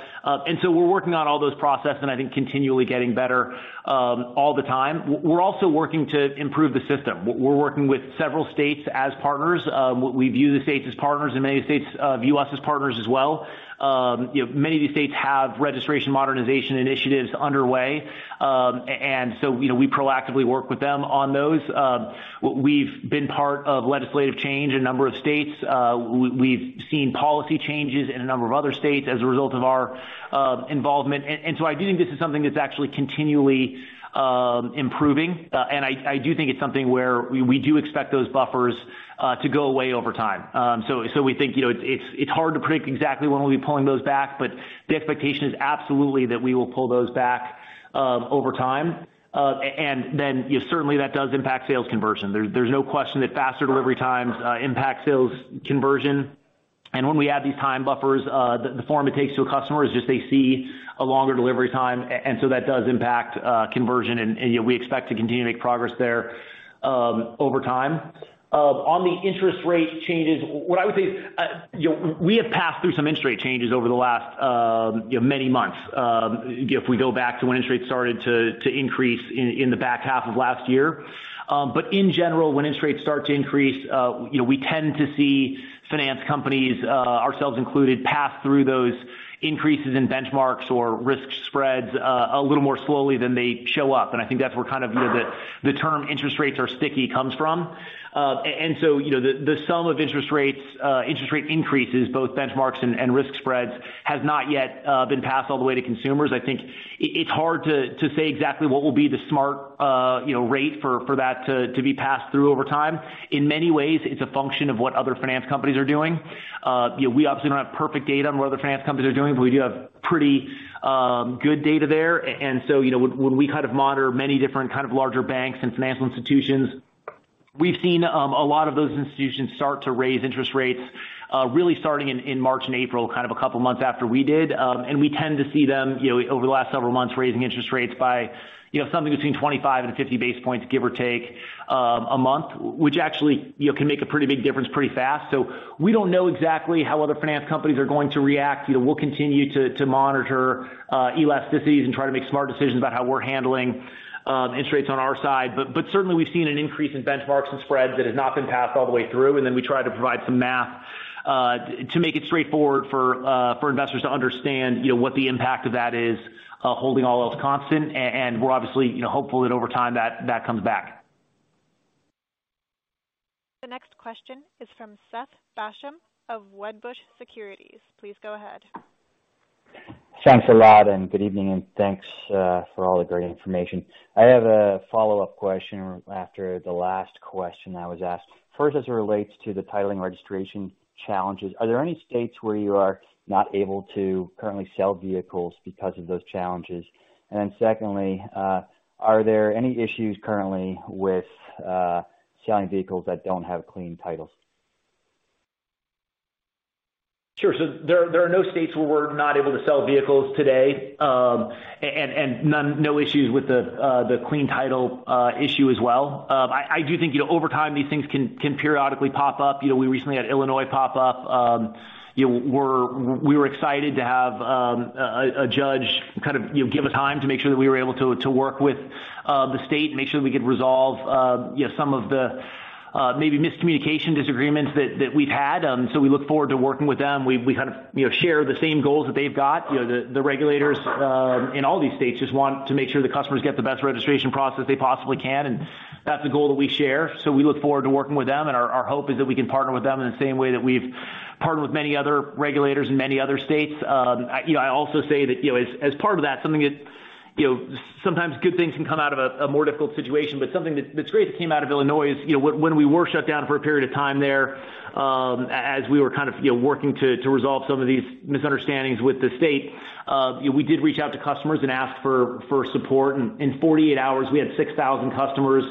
Speaker 3: We're working on all those processes and I think continually getting better all the time. We're also working to improve the system. We're working with several states as partners. We view the states as partners, and many states view us as partners as well. You know, many of these states have registration modernization initiatives underway, and so, you know, we proactively work with them on those. We've been part of legislative change in a number of states. We've seen policy changes in a number of other states as a result of our involvement. I do think this is something that's actually continually improving. I do think it's something where we do expect those buffers to go away over time. We think, you know, it's hard to predict exactly when we'll be pulling those back, but the expectation is absolutely that we will pull those back over time. And then, yeah, certainly that does impact sales conversion. There's no question that faster delivery times impact sales conversion. When we add these time buffers, the form it takes to a customer is just they see a longer delivery time. And so that does impact conversion. And you know, we expect to continue to make progress there over time. On the interest rate changes, what I would say is, you know, we have passed through some interest rate changes over the last, you know, many months, you know, if we go back to when interest rates started to increase in the back half of last year. In general, when interest rates start to increase, you know, we tend to see finance companies, ourselves included, pass through those increases in benchmarks or risk spreads, a little more slowly than they show up. I think that's where kind of, you know, the term interest rates are sticky comes from. You know, the sum of interest rates, interest rate increases, both benchmarks and risk spreads has not yet been passed all the way to consumers. I think it's hard to say exactly what will be the smart, you know, rate for that to be passed through over time. In many ways, it's a function of what other finance companies are doing. You know, we obviously don't have perfect data on what other finance companies are doing, but we do have pretty good data there. And so, you know, when we kind of monitor many different kind of larger banks and financial institutions, we've seen a lot of those institutions start to raise interest rates, really starting in March and April, kind of a couple months after we did. And we tend to see them, you know, over the last several months, raising interest rates by, you know, something between 25 and 50 basis points, give or take, a month, which actually, you know, can make a pretty big difference pretty fast. We don't know exactly how other finance companies are going to react. You know, we'll continue to monitor elasticities and try to make smart decisions about how we're handling interest rates on our side. Certainly we've seen an increase in benchmarks and spreads that has not been passed all the way through, and then we try to provide some math to make it straightforward for investors to understand, you know, what the impact of that is, holding all else constant. We're obviously, you know, hopeful that over time, that comes back.
Speaker 1: The next question is from Seth Basham of Wedbush Securities. Please go ahead.
Speaker 11: Thanks a lot and good evening, and thanks for all the great information. I have a follow-up question after the last question I was asked. First, as it relates to the titling registration challenges, are there any states where you are not able to currently sell vehicles because of those challenges? Secondly, are there any issues currently with selling vehicles that don't have clean titles?
Speaker 3: Sure. There are no states where we're not able to sell vehicles today, and no issues with the clean title issue as well. I do think, you know, over time, these things can periodically pop up. You know, we recently had Illinois pop up. We were excited to have a judge kind of give a time to make sure that we were able to work with the state, make sure that we could resolve some of the maybe miscommunication disagreements that we've had. We look forward to working with them. We kind of, you know, share the same goals that they've got. You know, the regulators in all these states just want to make sure the customers get the best registration process they possibly can, and that's a goal that we share. We look forward to working with them, and our hope is that we can partner with them in the same way that we've partnered with many other regulators in many other states. You know, I also say that, you know, as part of that, something that, you know, sometimes good things can come out of a more difficult situation, but something that's great that came out of Illinois, you know, when we were shut down for a period of time there, as we were kind of, you know, working to resolve some of these misunderstandings with the state, you know, we did reach out to customers and ask for support. In 48 hours, we had 6,000 customers,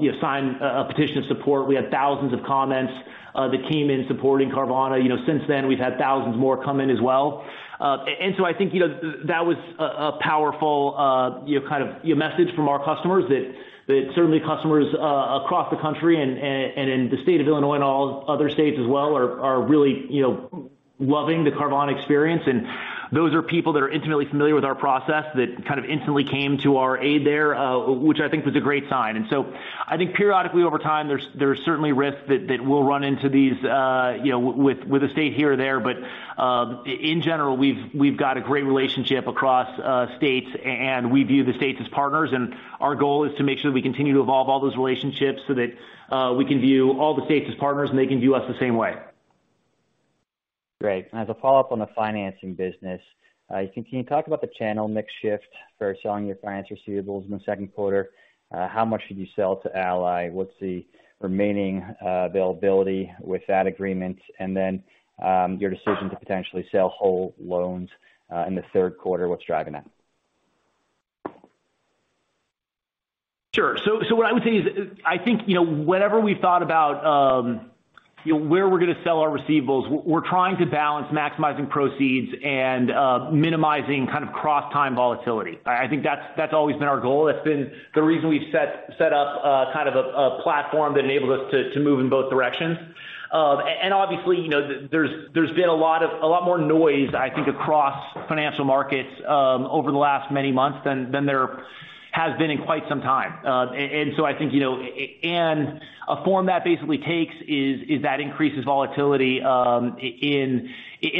Speaker 3: you know, sign a petition of support. We had thousands of comments that came in supporting Carvana. You know, since then, we've had thousands more come in as well. I think, you know, that was a powerful, you know, kind of, you know, message from our customers that certainly customers across the country and in the state of Illinois and all other states as well are really, you know, loving the Carvana experience. Those are people that are intimately familiar with our process that kind of instantly came to our aid there, which I think was a great sign. I think periodically over time, there's certainly risks that we'll run into these, you know, with the state here or there. In general, we've got a great relationship across states and we view the states as partners. Our goal is to make sure that we continue to evolve all those relationships so that we can view all the states as partners and they can view us the same way.
Speaker 11: Great. As a follow-up on the financing business, can you talk about the channel mix shift for selling your financial receivables in the second quarter? How much did you sell to Ally? What's the remaining availability with that agreement? Your decision to potentially sell whole loans in the third quarter, what's driving that?
Speaker 3: Sure. What I would say is, I think, you know, whenever we've thought about, you know, where we're gonna sell our receivables, we're trying to balance maximizing proceeds and minimizing kind of across-time volatility. I think that's always been our goal. That's been the reason we've set up kind of a platform that enables us to move in both directions. Obviously, you know, there's been a lot more noise, I think, across financial markets over the last many months than there has been in quite some time. I think, you know, the form it basically takes is increased volatility in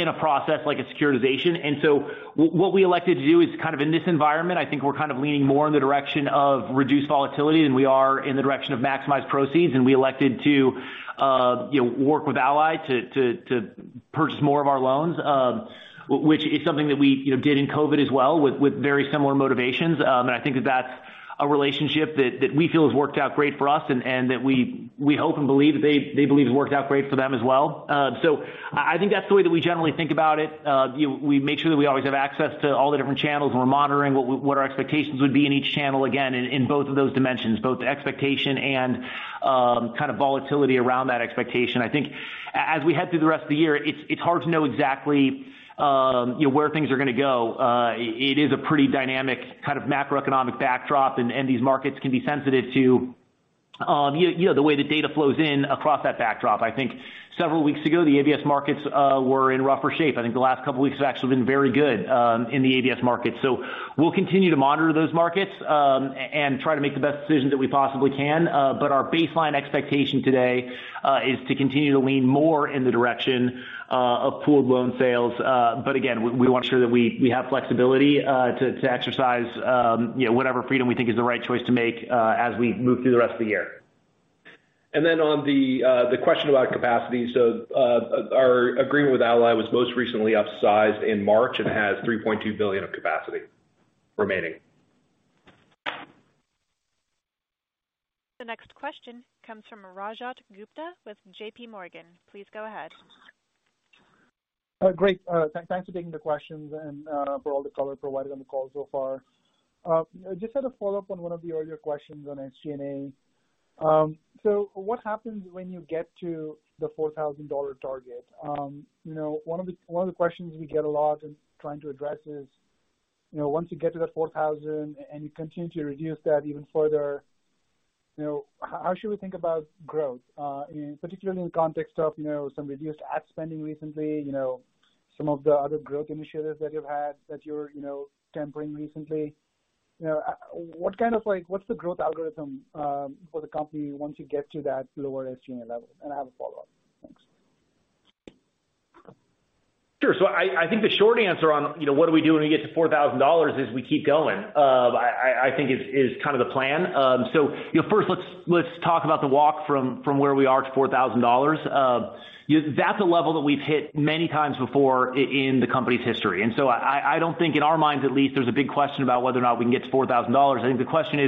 Speaker 3: a process like a securitization. What we elected to do is kind of in this environment, I think we're kind of leaning more in the direction of reduced volatility than we are in the direction of maximized proceeds. We elected to, you know, work with Ally to purchase more of our loans, which is something that we, you know, did in COVID as well with very similar motivations. I think that's the way that we generally think about it. You know, we make sure that we always have access to all the different channels, and we're monitoring what our expectations would be in each channel, again, in both of those dimensions, both expectation and kind of volatility around that expectation. I think as we head through the rest of the year, it's hard to know exactly, you know, where things are gonna go. It is a pretty dynamic kind of macroeconomic backdrop, and these markets can be sensitive to, you know, the way the data flows in across that backdrop. I think several weeks ago, the ABS markets were in rougher shape. I think the last couple of weeks have actually been very good in the ABS market. So we'll continue to monitor those markets and try to make the best decisions that we possibly can. Our baseline expectation today is to continue to lean more in the direction of pooled loan sales. Again, we want to ensure that we have flexibility to exercise you know whatever freedom we think is the right choice to make as we move through the rest of the year. On the question about capacity. Our agreement with Ally was most recently upsized in March and has $3.2 billion of capacity remaining.
Speaker 1: The next question comes from Rajat Gupta with J.P. Morgan. Please go ahead.
Speaker 12: Great. Thanks for taking the questions and for all the color provided on the call so far. Just had a follow-up on one of the earlier questions on SG&A. So what happens when you get to the $4,000 target? You know, one of the questions we get a lot in trying to address is, you know, once you get to that $4,000 and you continue to reduce that even further, you know, how should we think about growth, in particular in the context of, you know, some reduced ad spending recently, you know, some of the other growth initiatives that you've had that you're, you know, tempering recently? You know, what kind of like, what's the growth algorithm for the company once you get to that lower SG&A level? I have a follow-up. Thanks.
Speaker 3: Sure. I think the short answer on, you know, what do we do when we get to $4,000 is we keep going. I think this is kind of the plan. You know, first let's talk about the walk from where we are to $4,000. You know, that's a level that we've hit many times before in the company's history. I don't think in our minds at least, there's a big question about whether or not we can get to $4,000. I think the question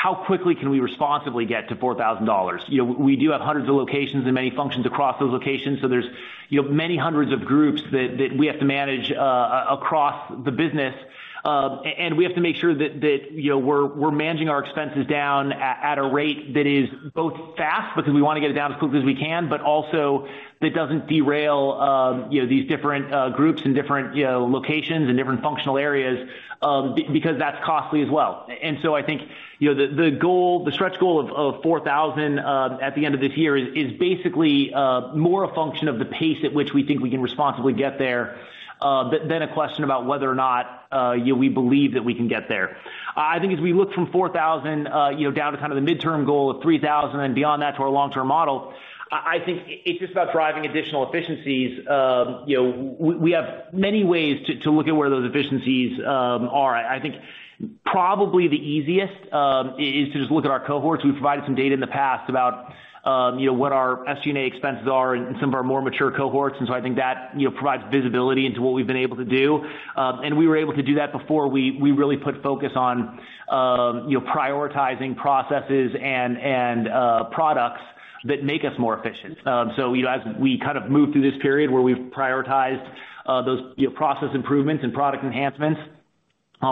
Speaker 3: is how quickly can we responsibly get to $4,000? You know, we do have hundreds of locations and many functions across those locations. There's, you know, many hundreds of groups that we have to manage across the business. We have to make sure that you know, we're managing our expenses down at a rate that is both fast because we wanna get it down as quick as we can, but also that doesn't derail you know, these different groups and different you know, locations and different functional areas because that's costly as well. I think you know, the goal, the stretch goal of 4,000 at the end of this year is basically more a function of the pace at which we think we can responsibly get there than a question about whether or not you know, we believe that we can get there. I think as we look from 4,000, you know, down to kind of the midterm goal of 3,000 and beyond that to our long-term model, I think it's just about driving additional efficiencies. You know, we have many ways to look at where those efficiencies are. I think probably the easiest is to just look at our cohorts. We've provided some data in the past about, you know, what our SG&A expenses are in some of our more mature cohorts. I think that, you know, provides visibility into what we've been able to do. We were able to do that before we really put focus on, you know, prioritizing processes and products that make us more efficient. You know, as we kind of move through this period where we've prioritized those, you know, process improvements and product enhancements,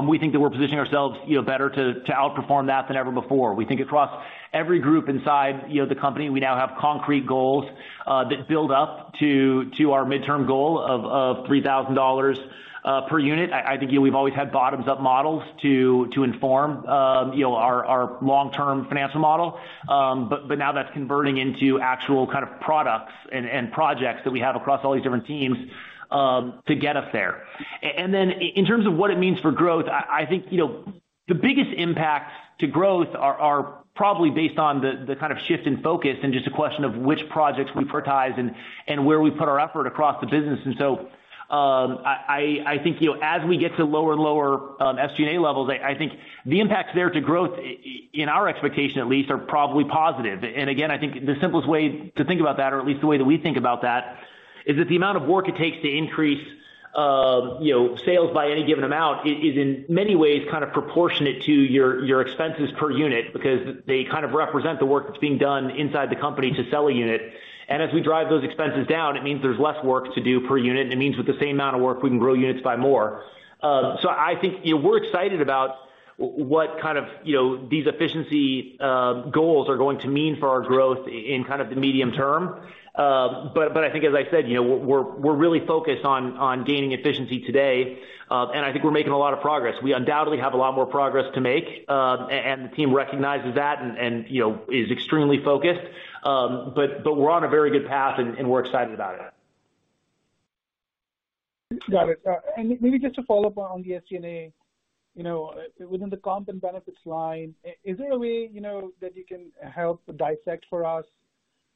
Speaker 3: we think that we're positioning ourselves, you know, better to outperform that than ever before. We think across every group inside, you know, the company, we now have concrete goals that build up to our midterm goal of $3,000 per unit. I think, you know, we've always had bottoms-up models to inform, you know, our long-term financial model. Now that's converting into actual kind of products and projects that we have across all these different teams to get us there. In terms of what it means for growth, I think, you know, the biggest impacts to growth are probably based on the kind of shift in focus and just a question of which projects we prioritize and where we put our effort across the business. I think, you know, as we get to lower and lower SG&A levels, I think the impacts there to growth in our expectation at least, are probably positive. I think the simplest way to think about that, or at least the way that we think about that, is that the amount of work it takes to increase, you know, sales by any given amount is in many ways kind of proportionate to your expenses per unit because they kind of represent the work that's being done inside the company to sell a unit. As we drive those expenses down, it means there's less work to do per unit. It means with the same amount of work, we can grow units by more. I think, you know, we're excited about what kind of, you know, these efficiency goals are going to mean for our growth in kind of the medium term. I think as I said, you know, we're really focused on gaining efficiency today. I think we're making a lot of progress. We undoubtedly have a lot more progress to make, the team recognizes that and, you know, is extremely focused. We're on a very good path and we're excited about it.
Speaker 12: Got it. Maybe just to follow up on the SG&A. You know, within the comp and benefits line, is there a way, you know, that you can help dissect for us,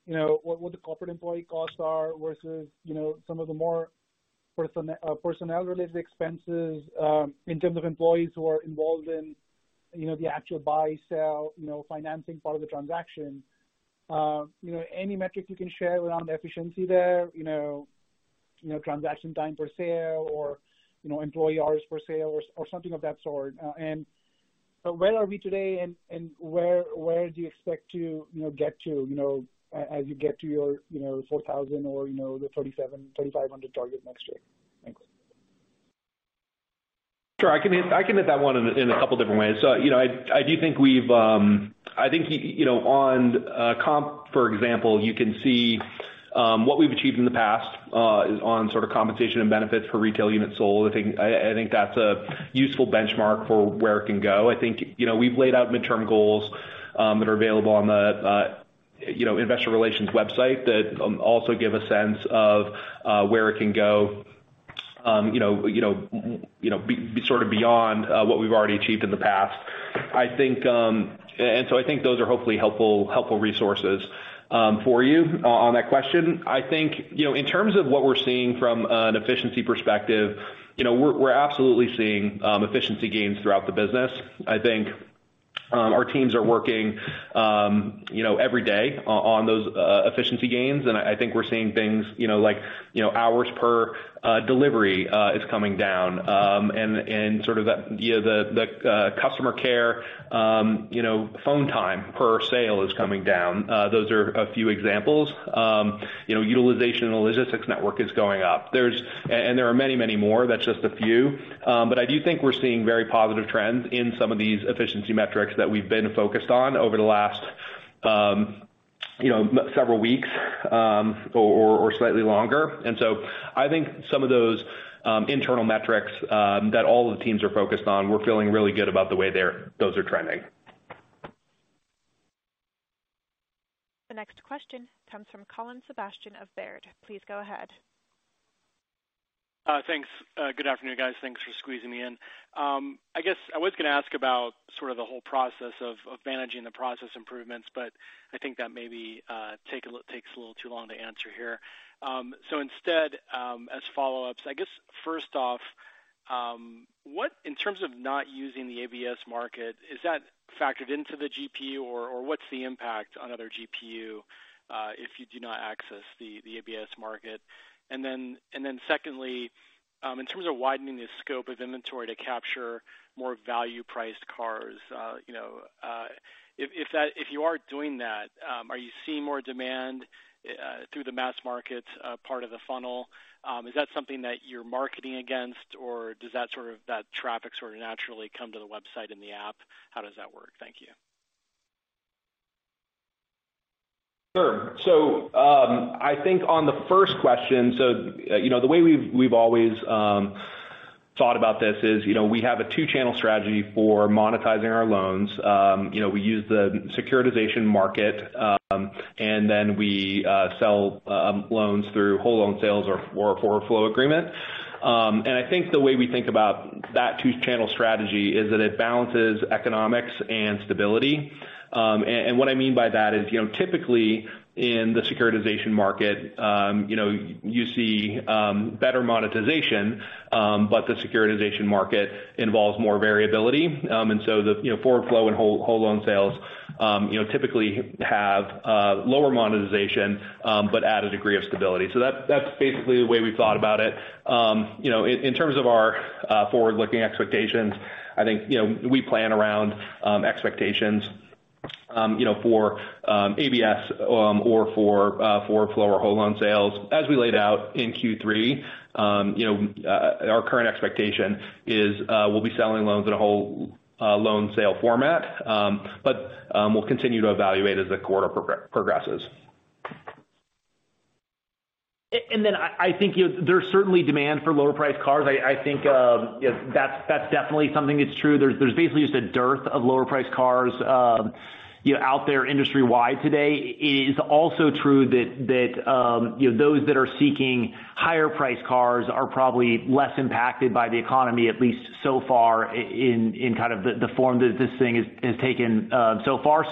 Speaker 12: you know, what the corporate employee costs are versus, you know, some of the more personnel related expenses, in terms of employees who are involved in, you know, the actual buy, sell, you know, financing part of the transaction? You know, any metrics you can share around the efficiency there, you know, transaction time per sale or, you know, employee hours per sale or something of that sort. Where are we today and where do you expect to, you know, get to, you know, as you get to your, you know, 4,000 or the 3,500 target next year? Thanks.
Speaker 4: Sure. I can hit that one in a couple different ways. You know, I think on comp, for example, you can see what we've achieved in the past on sort of compensation and benefits for retail units sold. I think that's a useful benchmark for where it can go. I think you know, we've laid out midterm goals that are available on the investor relations website that also give a sense of where it can go you know beyond what we've already achieved in the past. I think those are hopefully helpful resources for you on that question. I think, you know, in terms of what we're seeing from an efficiency perspective, you know, we're absolutely seeing efficiency gains throughout the business. I think, our teams are working, you know, every day on those efficiency gains. I think we're seeing things, you know, like, you know, hours per delivery is coming down. Sort of the, you know, the customer care, you know, phone time per sale is coming down. Those are a few examples. You know, utilization in the logistics network is going up. There are many more. That's just a few. I do think we're seeing very positive trends in some of these efficiency metrics that we've been focused on over the last, you know, several weeks, or slightly longer. I think some of those internal metrics that all of the teams are focused on, we're feeling really good about the way those are trending.
Speaker 1: The next question comes from Colin Sebastian of Baird. Please go ahead.
Speaker 13: Thanks. Good afternoon, guys. Thanks for squeezing me in. I guess I was gonna ask about sort of the whole process of managing the process improvements, but I think that maybe takes a little too long to answer here. Instead, as follow-ups, I guess first off, in terms of not using the ABS market, is that factored into the GPU or what's the impact on other GPU if you do not access the ABS market? Secondly, in terms of widening the scope of inventory to capture more value-priced cars, you know, if you are doing that, are you seeing more demand through the mass market part of the funnel? Is that something that you're marketing against or does that sort of, that traffic sort of naturally come to the website and the app? How does that work? Thank you.
Speaker 4: Sure. I think on the first question, you know, the way we've always thought about this is, you know, we have a two-channel strategy for monetizing our loans. You know, we use the securitization market, and then we sell loans through whole loan sales or forward flow agreement. I think the way we think about that two-channel strategy is that it balances economics and stability. What I mean by that is, you know, typically in the securitization market, you know, you see better monetization, but the securitization market involves more variability. The, you know, forward flow and whole loan sales, you know, typically have lower monetization, but add a degree of stability. That, that's basically the way we've thought about it. In terms of our forward-looking expectations, I think, you know, we plan around expectations, you know, for ABS or for forward flow or whole loan sales. As we laid out in Q3, you know, our current expectation is we'll be selling loans at a whole loan sale format. We'll continue to evaluate as the quarter progresses.
Speaker 3: I think, you know, there's certainly demand for lower priced cars. I think, you know, that's definitely something that's true. There's basically just a dearth of lower priced cars, you know, out there industry-wide today. It is also true that, you know, those that are seeking higher priced cars are probably less impacted by the economy at least so far in kind of the form that this thing has taken, so far.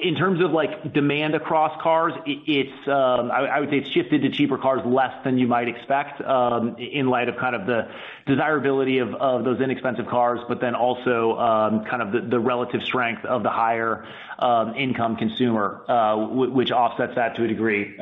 Speaker 3: In terms of like demand across cars, it's, I would say it's shifted to cheaper cars less than you might expect, in light of kind of the desirability of those inexpensive cars, but then also kind of the relative strength of the higher income consumer, which offsets that to a degree.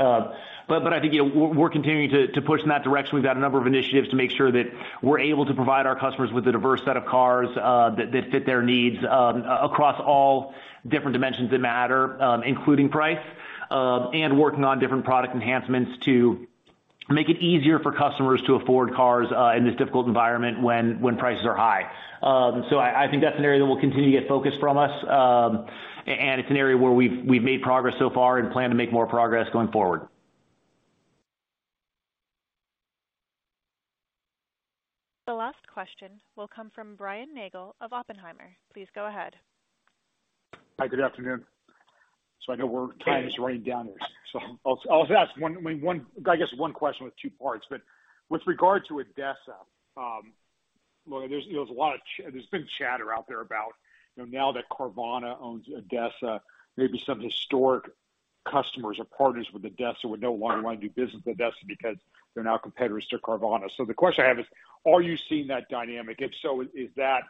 Speaker 3: I think, you know, we're continuing to push in that direction. We've got a number of initiatives to make sure that we're able to provide our customers with a diverse set of cars that fit their needs across all different dimensions that matter, including price. Working on different product enhancements to make it easier for customers to afford cars in this difficult environment when prices are high. I think that's an area that will continue to get focus from us. It's an area where we've made progress so far and plan to make more progress going forward.
Speaker 1: The last question will come from Brian Nagel of Oppenheimer. Please go ahead.
Speaker 14: Hi, good afternoon. I know our time is running down here, so I'll ask one, I mean, I guess one question with two parts. With regard to ADESA, look, you know, there's been a lot of chatter out there about, you know, now that Carvana owns ADESA, maybe some historical customers or partners with ADESA would no longer wanna do business with ADESA because they're now competitors to Carvana. The question I have is, are you seeing that dynamic? If so, is that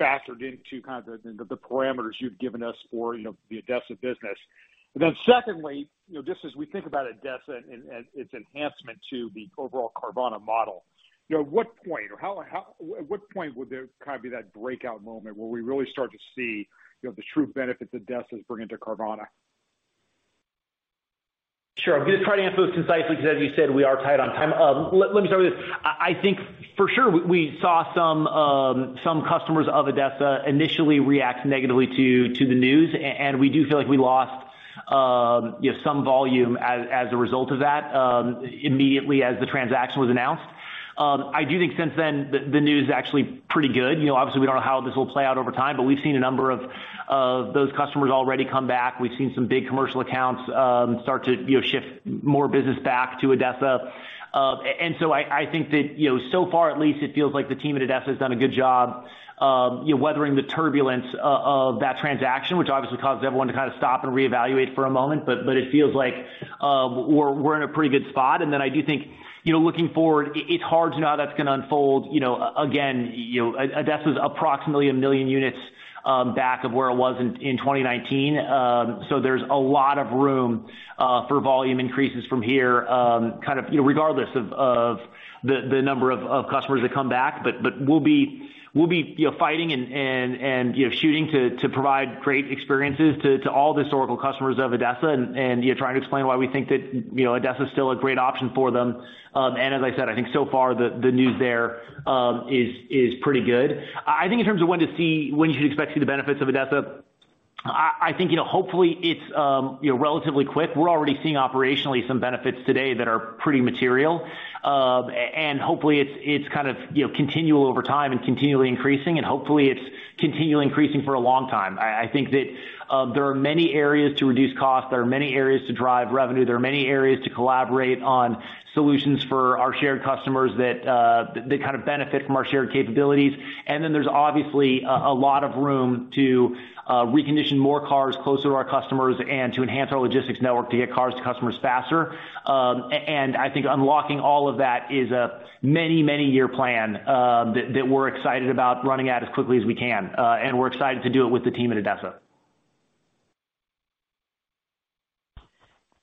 Speaker 14: factored into kind of the parameters you've given us for, you know, the ADESA business? Secondly, you know, just as we think about ADESA and its enhancement to the overall Carvana model, you know, at what point or how. At what point would there kind of be that breakout moment where we really start to see, you know, the true benefits ADESA is bringing to Carvana?
Speaker 3: Sure. I'm gonna try to answer those concisely because as you said, we are tight on time. Let me start with this. I think for sure we saw some customers of ADESA initially react negatively to the news, and we do feel like we lost you know some volume as a result of that immediately as the transaction was announced. I do think since then the news is actually pretty good. You know, obviously we don't know how this will play out over time, but we've seen a number of those customers already come back. We've seen some big commercial accounts start to you know shift more business back to ADESA. I think that, you know, so far at least it feels like the team at ADESA has done a good job, you know, weathering the turbulence of that transaction, which obviously caused everyone to kind of stop and reevaluate for a moment. It feels like we're in a pretty good spot. I do think, you know, looking forward it's hard to know how that's gonna unfold. You know, again, you know, ADESA is approximately 1 million units back of where it was in 2019. So there's a lot of room for volume increases from here, kind of, you know, regardless of the number of customers that come back. We'll be, you know, fighting and, you know, shooting to provide great experiences to all the historical customers of ADESA and, you know, trying to explain why we think that, you know, ADESA is still a great option for them. And as I said, I think so far the news there is pretty good. I think in terms of when you should expect to see the benefits of ADESA, I think, you know, hopefully it's, you know, relatively quick. We're already seeing operationally some benefits today that are pretty material. And hopefully it's kind of, you know, continual over time and continually increasing, and hopefully it's continually increasing for a long time. I think that there are many areas to reduce costs. There are many areas to drive revenue. There are many areas to collaborate on solutions for our shared customers that kind of benefit from our shared capabilities. Then there's obviously a lot of room to recondition more cars closer to our customers and to enhance our logistics network to get cars to customers faster. I think unlocking all of that is a many, many year plan that we're excited about running it as quickly as we can. We're excited to do it with the team at ADESA.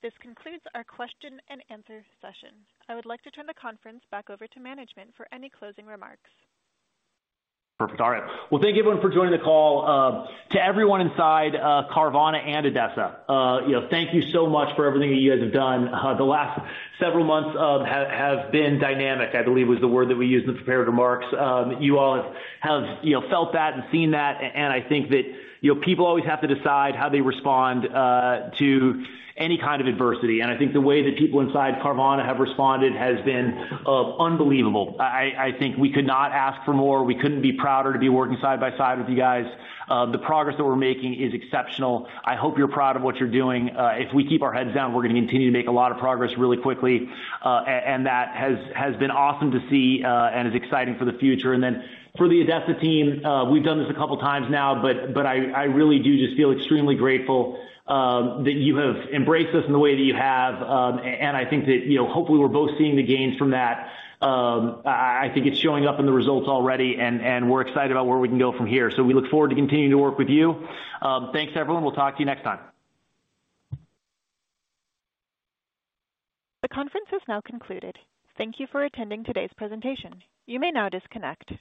Speaker 1: This concludes our question and answer session. I would like to turn the conference back over to management for any closing remarks.
Speaker 3: Perfect. All right. Well, thank you everyone for joining the call. To everyone inside Carvana and ADESA, you know, thank you so much for everything that you guys have done. The last several months have been dynamic, I believe was the word that we used in the prepared remarks. You all have, you know, felt that and seen that, and I think that, you know, people always have to decide how they respond to any kind of adversity. I think the way that people inside Carvana have responded has been unbelievable. I think we could not ask for more. We couldn't be prouder to be working side by side with you guys. The progress that we're making is exceptional. I hope you're proud of what you're doing. If we keep our heads down, we're gonna continue to make a lot of progress really quickly. That has been awesome to see and is exciting for the future. For the ADESA team, we've done this a couple times now, but I really do just feel extremely grateful that you have embraced us in the way that you have. I think that, you know, hopefully we're both seeing the gains from that. I think it's showing up in the results already and we're excited about where we can go from here. We look forward to continuing to work with you. Thanks, everyone. We'll talk to you next time.
Speaker 1: The conference has now concluded. Thank you for attending today's presentation. You may now disconnect.